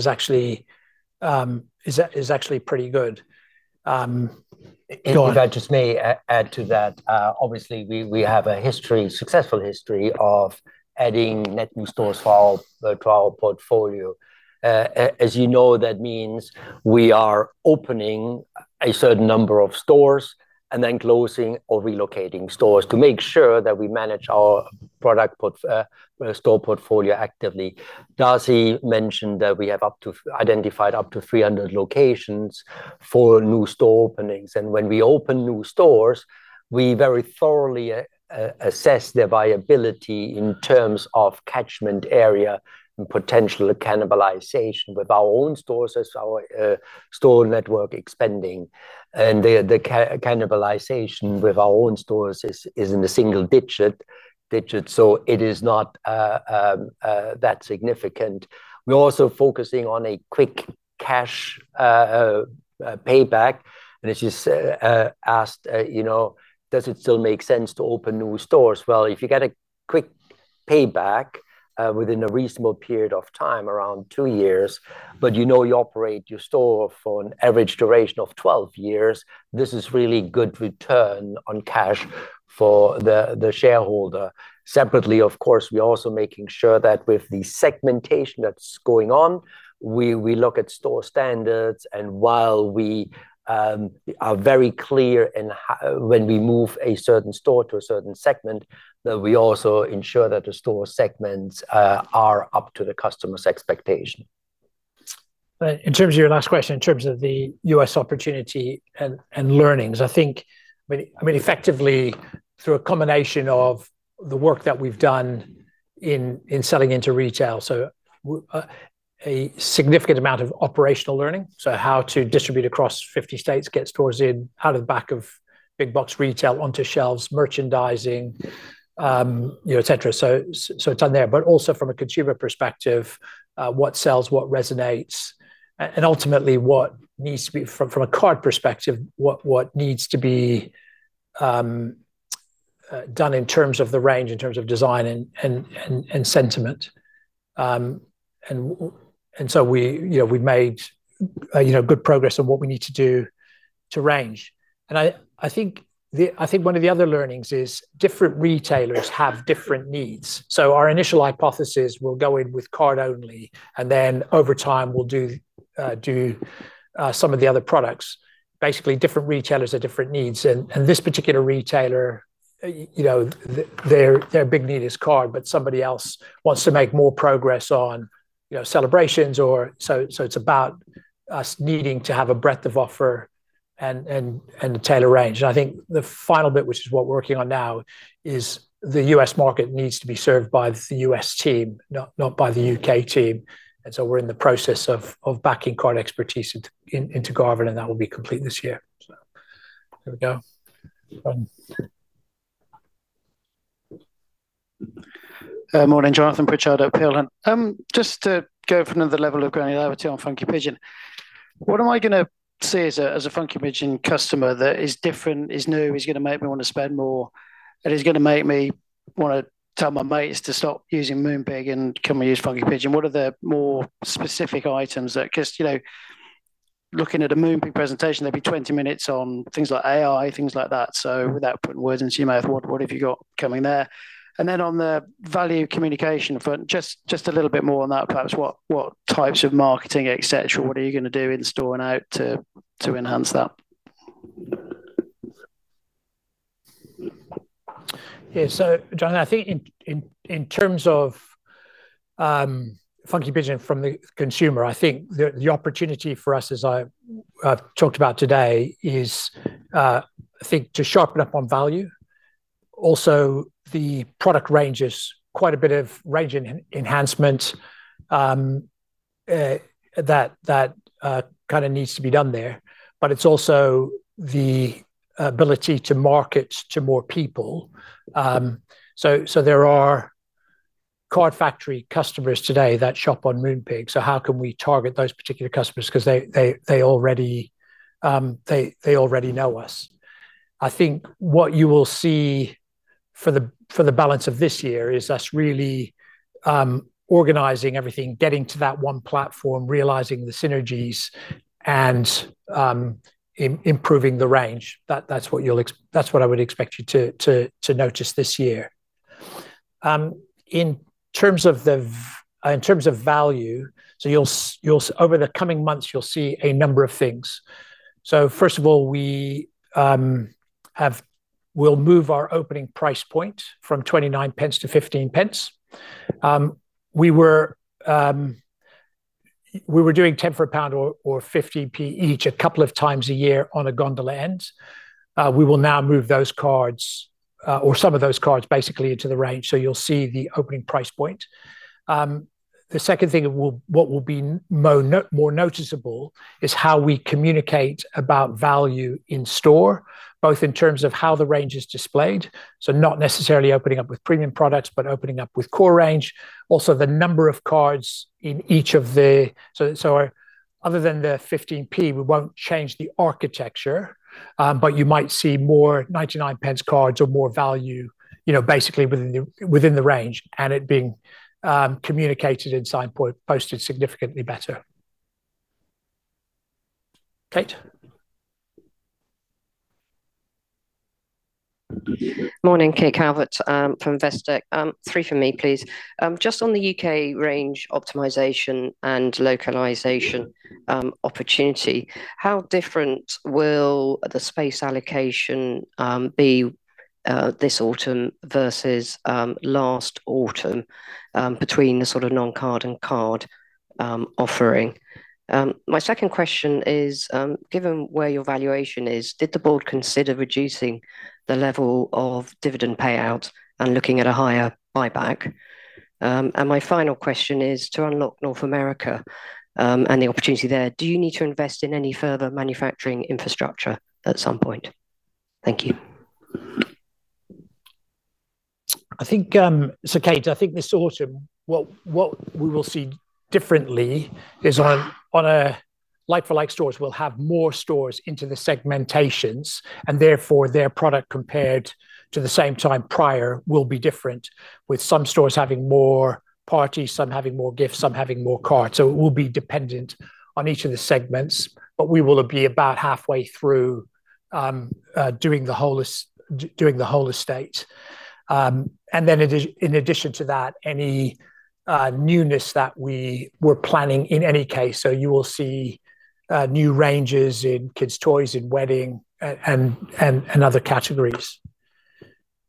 Speaker 1: is actually pretty good.
Speaker 2: If I just may add to that, obviously we have a successful history of adding net new stores to our portfolio. As you know, that means we are opening a certain number of stores and then closing or relocating stores to make sure that we manage our store portfolio actively. Darcy mentioned that we have identified up to 300 locations for new store openings, and when we open new stores, we very thoroughly assess their viability in terms of catchment area and potential cannibalization with our own stores as our store network expanding. The cannibalization with our own stores is in the single digit, so it is not that significant. We're also focusing on a quick cash payback, and as you asked, you know, does it still make sense to open new stores? Well, if you get a quick payback within a reasonable period of time, around two years, but you know you operate your store for an average duration of 12 years, this is really good return on cash for the shareholder. Separately, of course, we're also making sure that with the segmentation that's going on, we look at store standards, and while we are very clear in when we move a certain store to a certain segment, that we also ensure that the store segments are up to the customer's expectation.
Speaker 1: In terms of your last question, in terms of the U.S. opportunity and learnings, I think, I mean, effectively through a combination of the work that we've done in selling into retail, a significant amount of operational learning, how to distribute across 50 states, get stock in and out of the back of big box retail onto shelves, merchandising, you know, et cetera. It's on there. Also from a consumer perspective, what sells, what resonates, and ultimately what needs to be from a card perspective what needs to be done in terms of the range, in terms of design and sentiment. We, you know, we've made, you know, good progress on what we need to do to range. I think one of the other learnings is different retailers have different needs. Our initial hypothesis, we'll go in with card only, and then over time we'll do some of the other products. Basically, different retailers have different needs, and this particular retailer, you know, their big need is card, but somebody else wants to make more progress on, you know, celebrations or. It's about us needing to have a breadth of offer and tailor range. I think the final bit, which is what we're working on now, is the U.S. market needs to be served by the U.S. team, not by the U.K. team. We're in the process of backing card expertise into Garven, and that will be complete this year. Here we go.
Speaker 5: Morning, Jonathan Pritchard at Peel Hunt. Just to go for another level of granularity on Funky Pigeon, what am I gonna see as a Funky Pigeon customer that is different, is new, is gonna make me want to spend more, and is gonna make me wanna tell my mates to stop using Moonpig and come and use Funky Pigeon? What are the more specific items that, 'cause, you know, looking at a Moonpig presentation, there'd be 20 minutes on things like AI, things like that. Without putting words into your mouth, what have you got coming there? On the value communication front, just a little bit more on that perhaps. What types of marketing, et cetera, what are you gonna do in store and out to enhance that?
Speaker 1: Yeah. Jon, I think in terms of Funky Pigeon from the consumer, I think the opportunity for us as I've talked about today is I think to sharpen up on value. Also the product range is quite a bit of range enhancement that kind of needs to be done there. It's also the ability to market to more people. There are Card Factory customers today that shop on Moonpig. How can we target those particular customers 'cause they already know us. I think what you will see for the balance of this year is us really organizing everything, getting to that one platform, realizing the synergies and improving the range. That's what I would expect you to notice this year. In terms of value, you'll see over the coming months, you'll see a number of things. First of all, we'll move our opening price point from 0.29 to 0.15. We were doing 10 for GBP 1 or 0.5 Each a couple of times a year on a gondola end. We will now move those cards, or some of those cards basically into the range, so you'll see the opening price point. The second thing that will be more noticeable is how we communicate about value in store, both in terms of how the range is displayed, so not necessarily opening up with premium products, but opening up with core range. Other than the 0.15, we won't change the architecture, but you might see more 0.99 Cards or more value, you know, basically within the range and it being communicated and signposted significantly better. Kate?
Speaker 6: Morning, Kate Calvert, from Investec. Three from me please. Just on the U.K. range optimization and localization opportunity, how different will the space allocation be this autumn versus last autumn between the sort of non-card and card offering? My second question is, given where your valuation is, did the board consider reducing the level of dividend payout and looking at a higher buyback? My final question is, to unlock North America and the opportunity there, do you need to invest in any further manufacturing infrastructure at some point? Thank you.
Speaker 1: I think, Kate, I think this autumn, what we will see differently is on a like-for-like stores, we'll have more stores into the segmentations and therefore their product compared to the same time prior will be different with some stores having more parties, some having more gifts, some having more cards. It will be dependent on each of the segments, but we will be about halfway through doing the whole estate. And then in addition to that, any newness that we were planning in any case, so you will see new ranges in kids' toys, in wedding and other categories.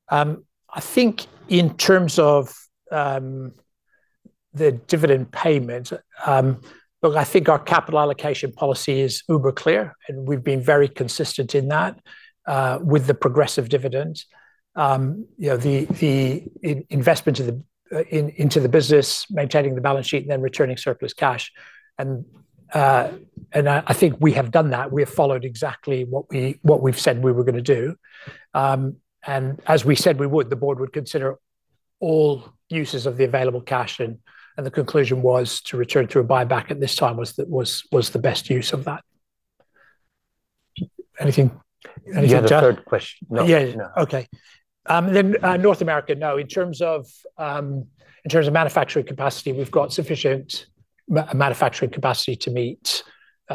Speaker 1: I think in terms of the dividend payment, look, I think our capital allocation policy is uber clear, and we've been very consistent in that, with the progressive dividend. You know, the investment into the business, maintaining the balance sheet and then returning surplus cash, and I think we have done that. We have followed exactly what we've said we were gonna do. As we said we would, the board would consider all uses of the available cash, and the conclusion was to return through a buyback at this time was the best use of that. Anything to add?
Speaker 2: You had a third question. No.
Speaker 1: Yeah. Okay. North America, no. In terms of manufacturing capacity, we've got sufficient manufacturing capacity to meet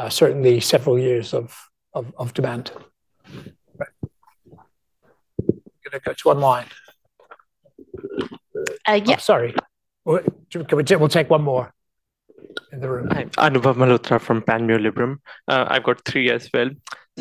Speaker 1: certainly several years of demand. Right. Gonna go to online.
Speaker 6: Uh, yeah-
Speaker 1: Oh, sorry. We'll take one more in the room.
Speaker 7: Anubhav Malhotra from Panmure Liberum. I've got three as well.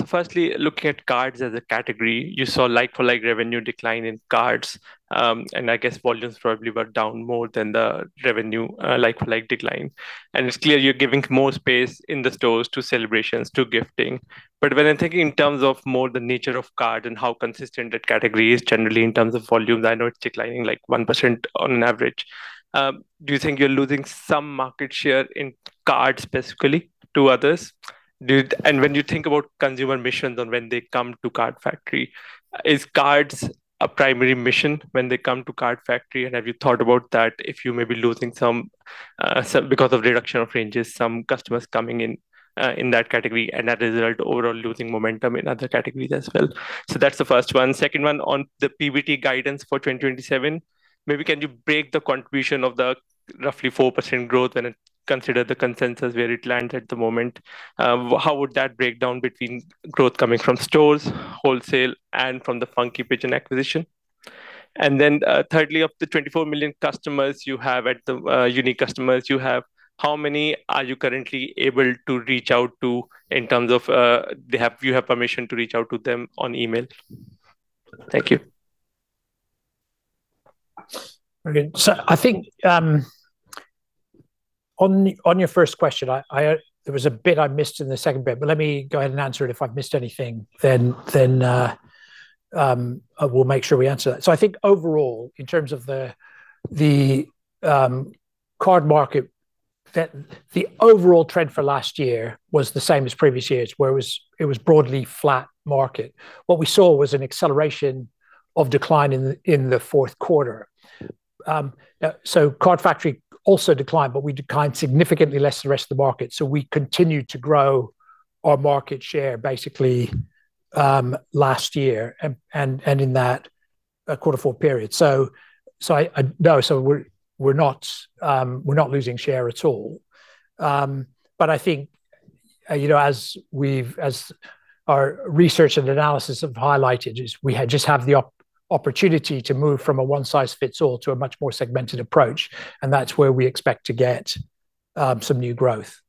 Speaker 7: Firstly, looking at cards as a category, you saw like-for-like revenue decline in cards, and I guess volumes probably were down more than the revenue, like-for-like decline. It's clear you're giving more space in the stores to celebrations, to gifting, but when I'm thinking in terms of more the nature of card and how consistent that category is generally in terms of volumes, I know it's declining like 1% on average, do you think you're losing some market share in cards specifically to others? Do... When you think about consumer missions and when they come to Card Factory, is cards a primary mission when they come to Card Factory, and have you thought about that if you may be losing some because of reduction of ranges, some customers coming in in that category, and as a result overall losing momentum in other categories as well? That's the first one. Second one on the PBT guidance for 2027, maybe can you break the contribution of the roughly 4% growth and consider the consensus where it lands at the moment? How would that break down between growth coming from stores, wholesale, and from the Funky Pigeon acquisition? Thirdly, of the 24 million unique customers you have, how many are you currently able to reach out to in terms of you have permission to reach out to them on email? Thank you.
Speaker 1: I think on your first question. There was a bit I missed in the second bit, but let me go ahead and answer it. If I've missed anything then, I will make sure we answer that. I think overall in terms of the card market, the overall trend for last year was the same as previous years where it was broadly flat market. What we saw was an acceleration of decline in the fourth quarter. Card Factory also declined, but we declined significantly less than the rest of the market. We continued to grow our market share basically last year and in that quarter four period. No, we're not losing share at all. I think, you know, as our research and analysis have highlighted is we just have the opportunity to move from a one size fits all to a much more segmented approach, and that's where we expect to get some new growth.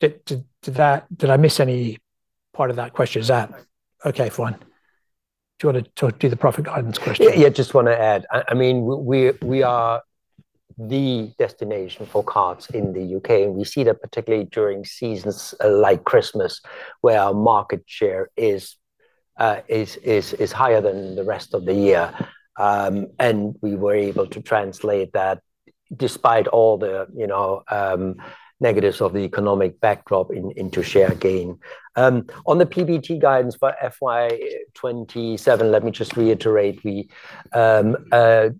Speaker 1: Did I miss any part of that question, Zam? Okay, fine. Do you want to talk to the profit guidance question?
Speaker 2: Yeah. Just want to add, I mean, we are the destination for cards in the U.K., and we see that particularly during seasons like Christmas, where our market share is higher than the rest of the year. We were able to translate that despite all the, you know, negatives of the economic backdrop into share gain. On the PBT guidance for FY 2027, let me just reiterate, we are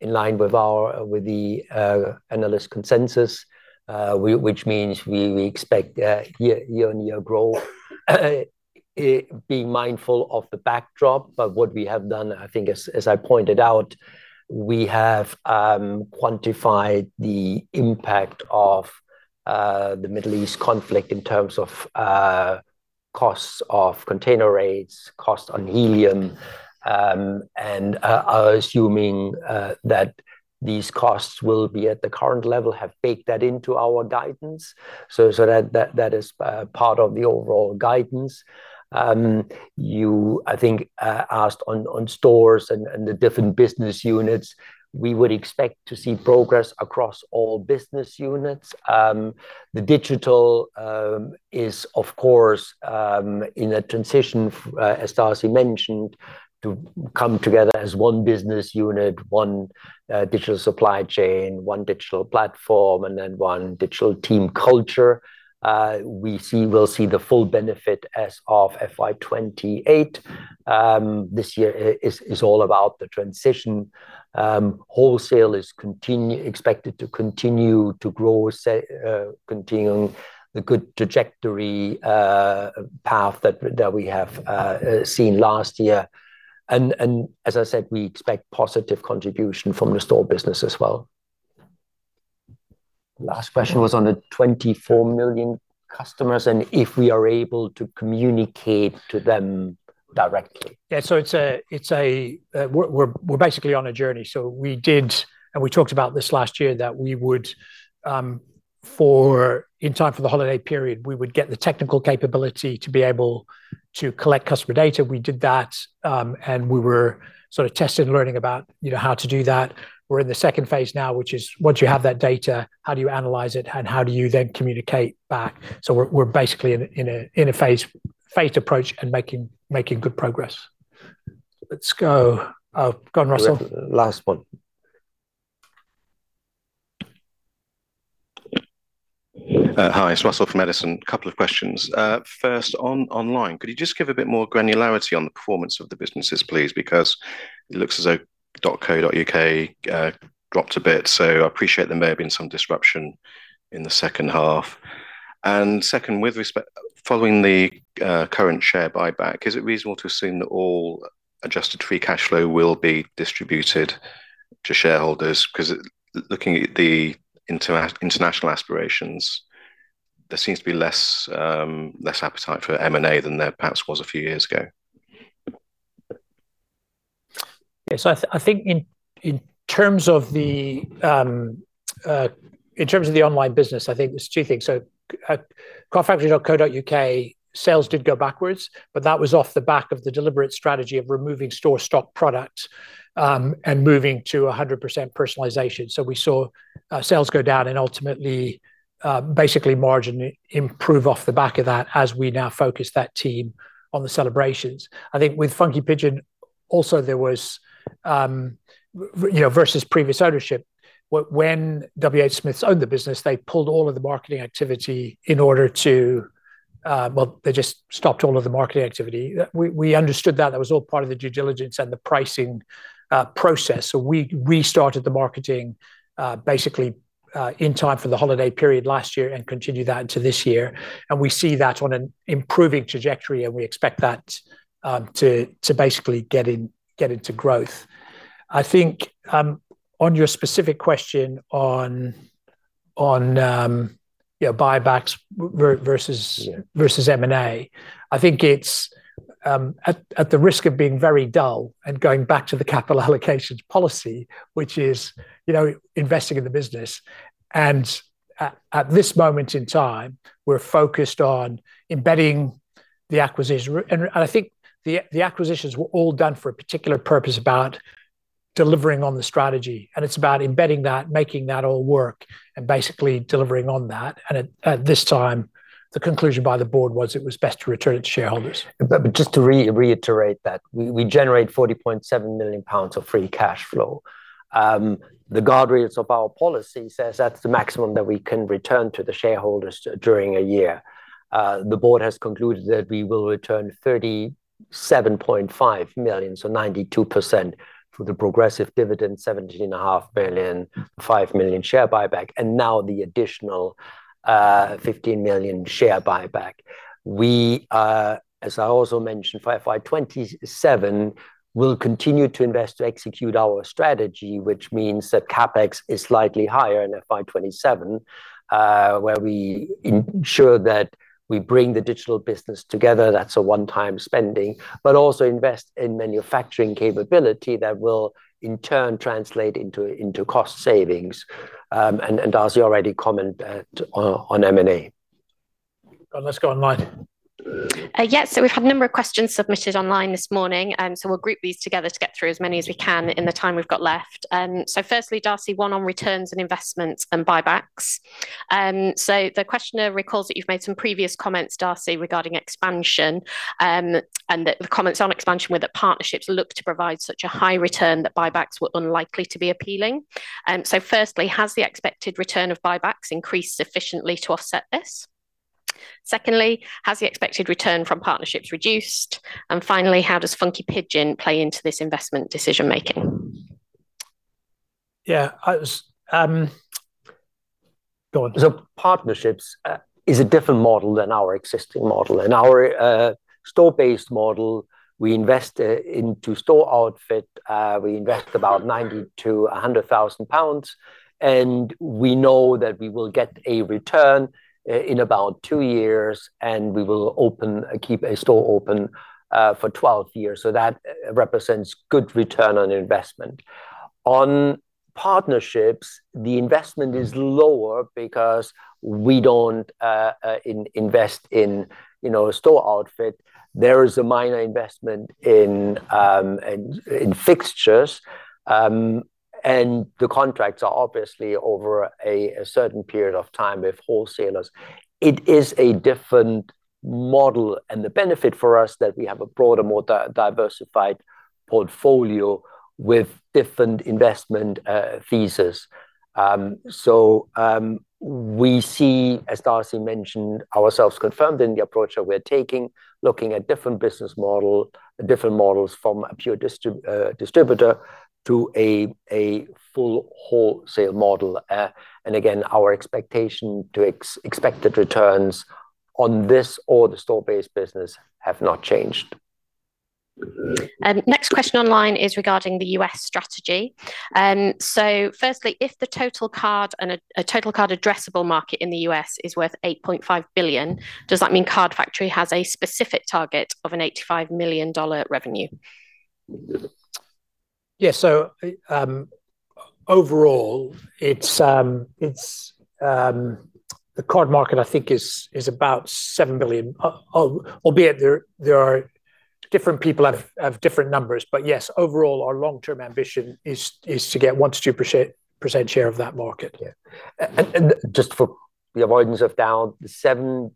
Speaker 2: in line with our analyst consensus, which means we expect year-on-year growth, being mindful of the backdrop. What we have done, I think as I pointed out, we have quantified the impact of the Middle East conflict in terms of costs of container rates, costs on helium, and assuming that these costs will be at the current level, have baked that into our guidance. That is part of the overall guidance. You, I think, asked on stores and the different business units. We would expect to see progress across all business units. The digital is of course in a transition, as Darcy mentioned, to come together as one business unit, one digital supply chain, one digital platform, and then one digital team culture. We'll see the full benefit as of FY 2028. This year is all about the transition. Wholesale is expected to continue to grow, continuing the good trajectory, path that we have seen last year. As I said, we expect positive contribution from the store business as well. Last question was on the 24 million customers, and if we are able to communicate to them directly.
Speaker 1: Yeah, we're basically on a journey. We talked about this last year, that we would, in time for the holiday period, get the technical capability to be able to collect customer data. We did that, and we were sort of testing and learning about, you know, how to do that. We're in the second phase now, which is once you have that data, how do you analyze it, and how do you then communicate back. We're basically in a phased approach and making good progress. Let's go. Oh, go on, Russell.
Speaker 2: Last one.
Speaker 8: Hi, it's Russell from Edison. Couple of questions. First on online, could you just give a bit more granularity on the performance of the businesses, please? Because it looks as though dotco.uk dropped a bit, so I appreciate there may have been some disruption in the second half. Second, with respect to following the current share buyback, is it reasonable to assume that all adjusted free cash flow will be distributed to shareholders? 'Cause looking at the international aspirations, there seems to be less appetite for M&A than there perhaps was a few years ago.
Speaker 1: Yeah, I think in terms of the online business, I think there's two things. cardfactory.co.uk sales did go backwards, but that was off the back of the deliberate strategy of removing store stock product and moving to 100% personalization. We saw sales go down and ultimately basically margin improve off the back of that as we now focus that team on the celebrations. I think with Funky Pigeon also there was, you know, versus previous ownership, when WHSmith owned the business, they pulled all of the marketing activity in order to, well, they just stopped all of the marketing activity. We understood that was all part of the due diligence and the pricing process. We restarted the marketing, basically, in time for the holiday period last year and continued that into this year. We see that on an improving trajectory, and we expect that to basically get into growth. I think on your specific question on you know, buybacks versus-
Speaker 2: Yeah...
Speaker 1: versus M&A, I think it's at the risk of being very dull and going back to the capital allocations policy, which is, you know, investing in the business. At this moment in time, we're focused on embedding the acquisition. I think the acquisitions were all done for a particular purpose about delivering on the strategy. It's about embedding that, making that all work, and basically delivering on that. At this time, the conclusion by the board was it was best to return it to shareholders.
Speaker 2: Just to reiterate that. We generate 40.7 million pounds of free cash flow. The guardrails of our policy says that's the maximum that we can return to the shareholders during a year. The board has concluded that we will return 37.5 million, so 92% for the progressive dividend, 17.5 million, 5 million share buyback, and now the additional 15 million share buyback. We are, as I also mentioned, for FY 2027 will continue to invest to execute our strategy, which means that CapEx is slightly higher in FY 2027, where we ensure that we bring the digital business together, that's a one-time spending, but also invest in manufacturing capability that will in turn translate into cost savings. Darcy already commented on M&A.
Speaker 1: Let's go online.
Speaker 9: Yes. We've had a number of questions submitted online this morning, so we'll group these together to get through as many as we can in the time we've got left. Firstly, Darcy, one on returns on investments and buybacks. The questioner recalls that you've made some previous comments, Darcy, regarding expansion, and that the comments on expansion were that partnerships look to provide such a high return that buybacks were unlikely to be appealing. Firstly, has the expected return of buybacks increased sufficiently to offset this? Secondly, has the expected return from partnerships reduced? And finally, how does Funky Pigeon play into this investment decision making?
Speaker 1: Yeah, I was. Go on.
Speaker 2: Partnerships is a different model than our existing model. In our store-based model we invest into store fit-out about 90,000-100,000 pounds, and we know that we will get a return in about two years, and we will keep a store open for 12 years. That represents good return on investment. On partnerships, the investment is lower because we don't invest in, you know, store outfit. There is a minor investment in fixtures. And the contracts are obviously over a certain period of time with wholesalers. It is a different model, and the benefit for us that we have a broader, more diversified portfolio with different investment thesis. We see, as Darcy mentioned, ourselves confirmed in the approach that we're taking, looking at different business models from a pure distributor to a full wholesale model. Again, our expected returns on this, our store-based business have not changed.
Speaker 9: Next question online is regarding the U.S. strategy. Firstly, if the total card addressable market in the U.S. is worth $8.5 billion, does that mean Card Factory has a specific target of an $85 million revenue?
Speaker 1: Overall, it's the card market I think is about $7 billion. Albeit there are different people have different numbers, but yes, overall our long-term ambition is to get 1%-2% share of that market.
Speaker 2: Yeah. Just for the avoidance of doubt, the 7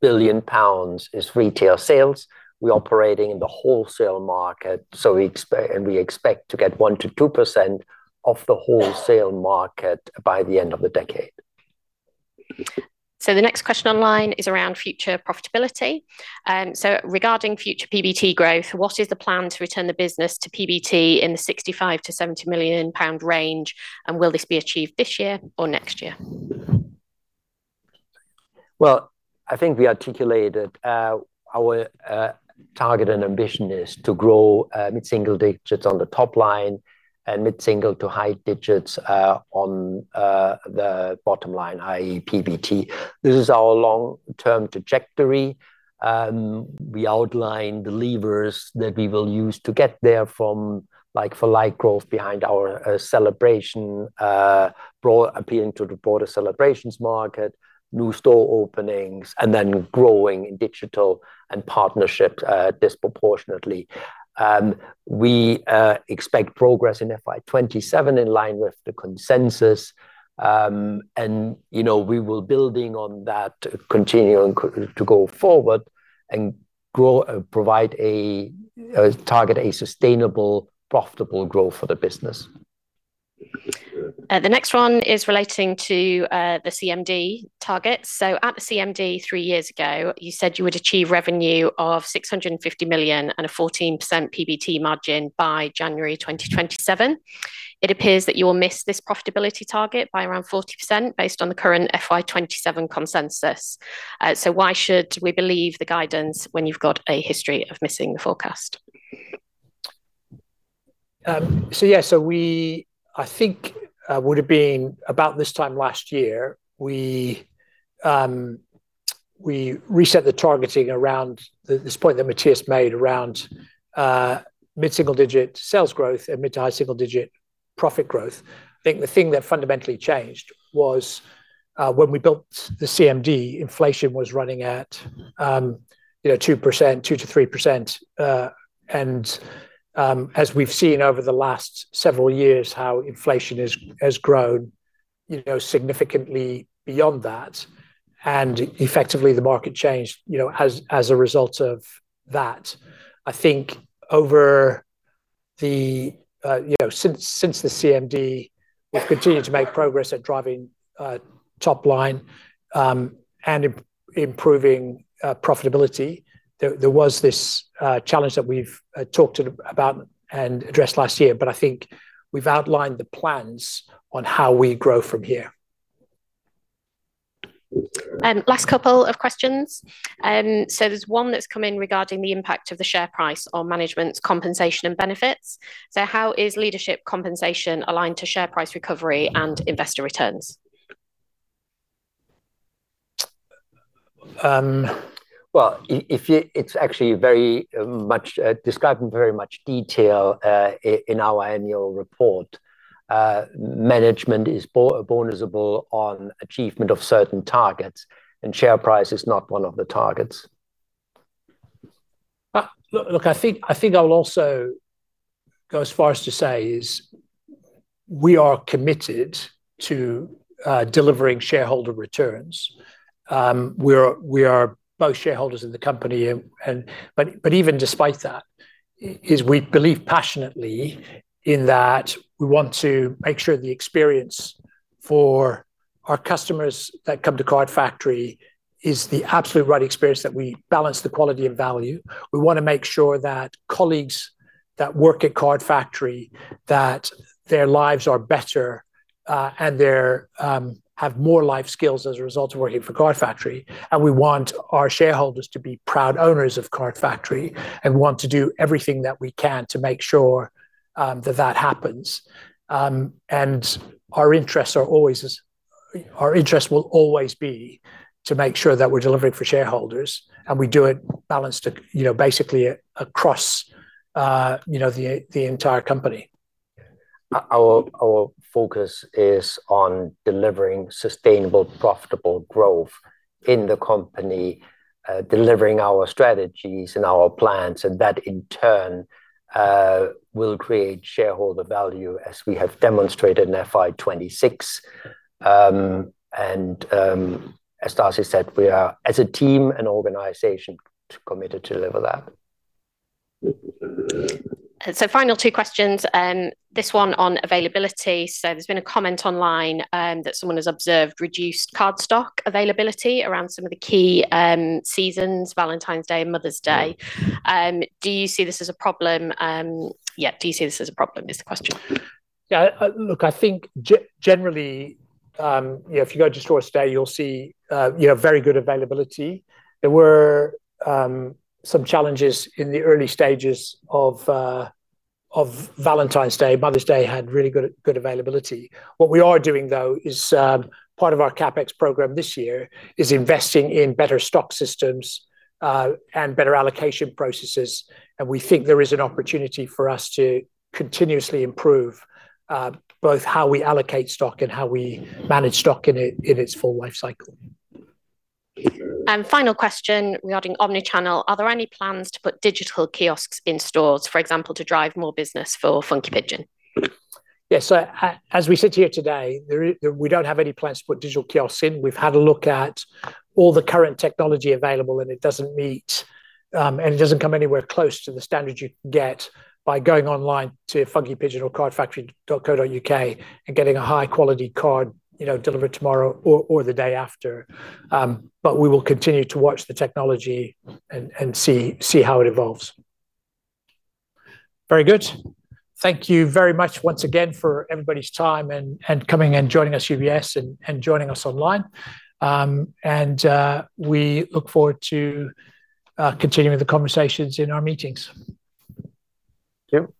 Speaker 2: billion pounds is retail sales. We're operating in the wholesale market, so we expect to get 1%-2% of the wholesale market by the end of the decade.
Speaker 9: The next question online is around future profitability. Regarding future PBT growth, what is the plan to return the business to PBT in the 65 million-70 million pound range, and will this be achieved this year or next year?
Speaker 2: I think we articulated our target and ambition is to grow mid-single-digits on the top line and mid-single to high digits on the bottom line, i.e., PBT. This is our long-term trajectory. We outlined the levers that we will use to get there from like-for-like growth behind our celebrations broadly appealing to the broader celebrations market, new store openings, and then growing in digital and partnerships disproportionately. We expect progress in FY 2027 in line with the consensus, and you know, we will building on that continuing to go forward and grow provide a target of a sustainable, profitable growth for the business.
Speaker 9: The next one is relating to the CMD targets. At the CMD three years ago, you said you would achieve revenue of 650 million and a 14% PBT margin by January 2027. It appears that you will miss this profitability target by around 40% based on the current FY 2027 consensus. Why should we believe the guidance when you've got a history of missing the forecast?
Speaker 1: Yeah. We, I think, would have been about this time last year. We reset the targeting around this point that Matthias made around mid-single-digit sales growth and mid- to high-single-digit profit growth. I think the thing that fundamentally changed was when we built the CMD, inflation was running at, you know, 2%, 2%-3%. As we've seen over the last several years how inflation has grown, you know, significantly beyond that, and effectively the market changed, you know, as a result of that. I think over the, you know, since the CMD, we've continued to make progress at driving top line and improving profitability. There was this challenge that we've talked about and addressed last year, but I think we've outlined the plans on how we grow from here.
Speaker 9: Last couple of questions. There's one that's come in regarding the impact of the share price on management's compensation and benefits. How is leadership compensation aligned to share price recovery and investor returns?
Speaker 2: Well, if it's actually very much described in very much detail in our annual report. Management is bonusable on achievement of certain targets, and share price is not one of the targets.
Speaker 1: Look, I think I'll also go as far as to say is we are committed to delivering shareholder returns. We are both shareholders in the company. Even despite that is we believe passionately in that we want to make sure the experience for our customers that come to Card Factory is the absolute right experience, that we balance the quality and value. We wanna make sure that colleagues that work at Card Factory, that their lives are better, and they're have more life skills as a result of working for Card Factory. We want our shareholders to be proud owners of Card Factory, and want to do everything that we can to make sure that happens. Our interest will always be to make sure that we're delivering for shareholders, and we do it balanced at, you know, basically across, you know, the entire company.
Speaker 2: Our focus is on delivering sustainable, profitable growth in the company, delivering our strategies and our plans, and that in turn will create shareholder value as we have demonstrated in FY 2026. As Darcy said, we are as a team and organization committed to deliver that.
Speaker 9: Final two questions, this one on availability. There's been a comment online that someone has observed reduced card stock availability around some of the key seasons, Valentine's Day and Mother's Day. Do you see this as a problem? Yeah, do you see this as a problem is the question.
Speaker 1: Yeah, look, I think generally, you know, if you go to a store today, you'll see, you know, very good availability. There were some challenges in the early stages of Valentine's Day. Mother's Day had really good availability. What we are doing though is, part of our CapEx program this year is investing in better stock systems, and better allocation processes, and we think there is an opportunity for us to continuously improve, both how we allocate stock and how we manage stock in its full life cycle.
Speaker 9: Final question regarding omni-channel. Are there any plans to put digital kiosks in stores, for example, to drive more business for Funky Pigeon?
Speaker 1: As we sit here today, we don't have any plans to put digital kiosks in. We've had a look at all the current technology available, and it doesn't meet, and it doesn't come anywhere close to the standard you'd get by going online to Funky Pigeon or cardfactory.co.uk and getting a high quality card, you know, delivered tomorrow or the day after. We will continue to watch the technology and see how it evolves. Very good. Thank you very much once again for everybody's time and coming and joining us, UBS, and joining us online. We look forward to continuing the conversations in our meetings.
Speaker 2: Jim.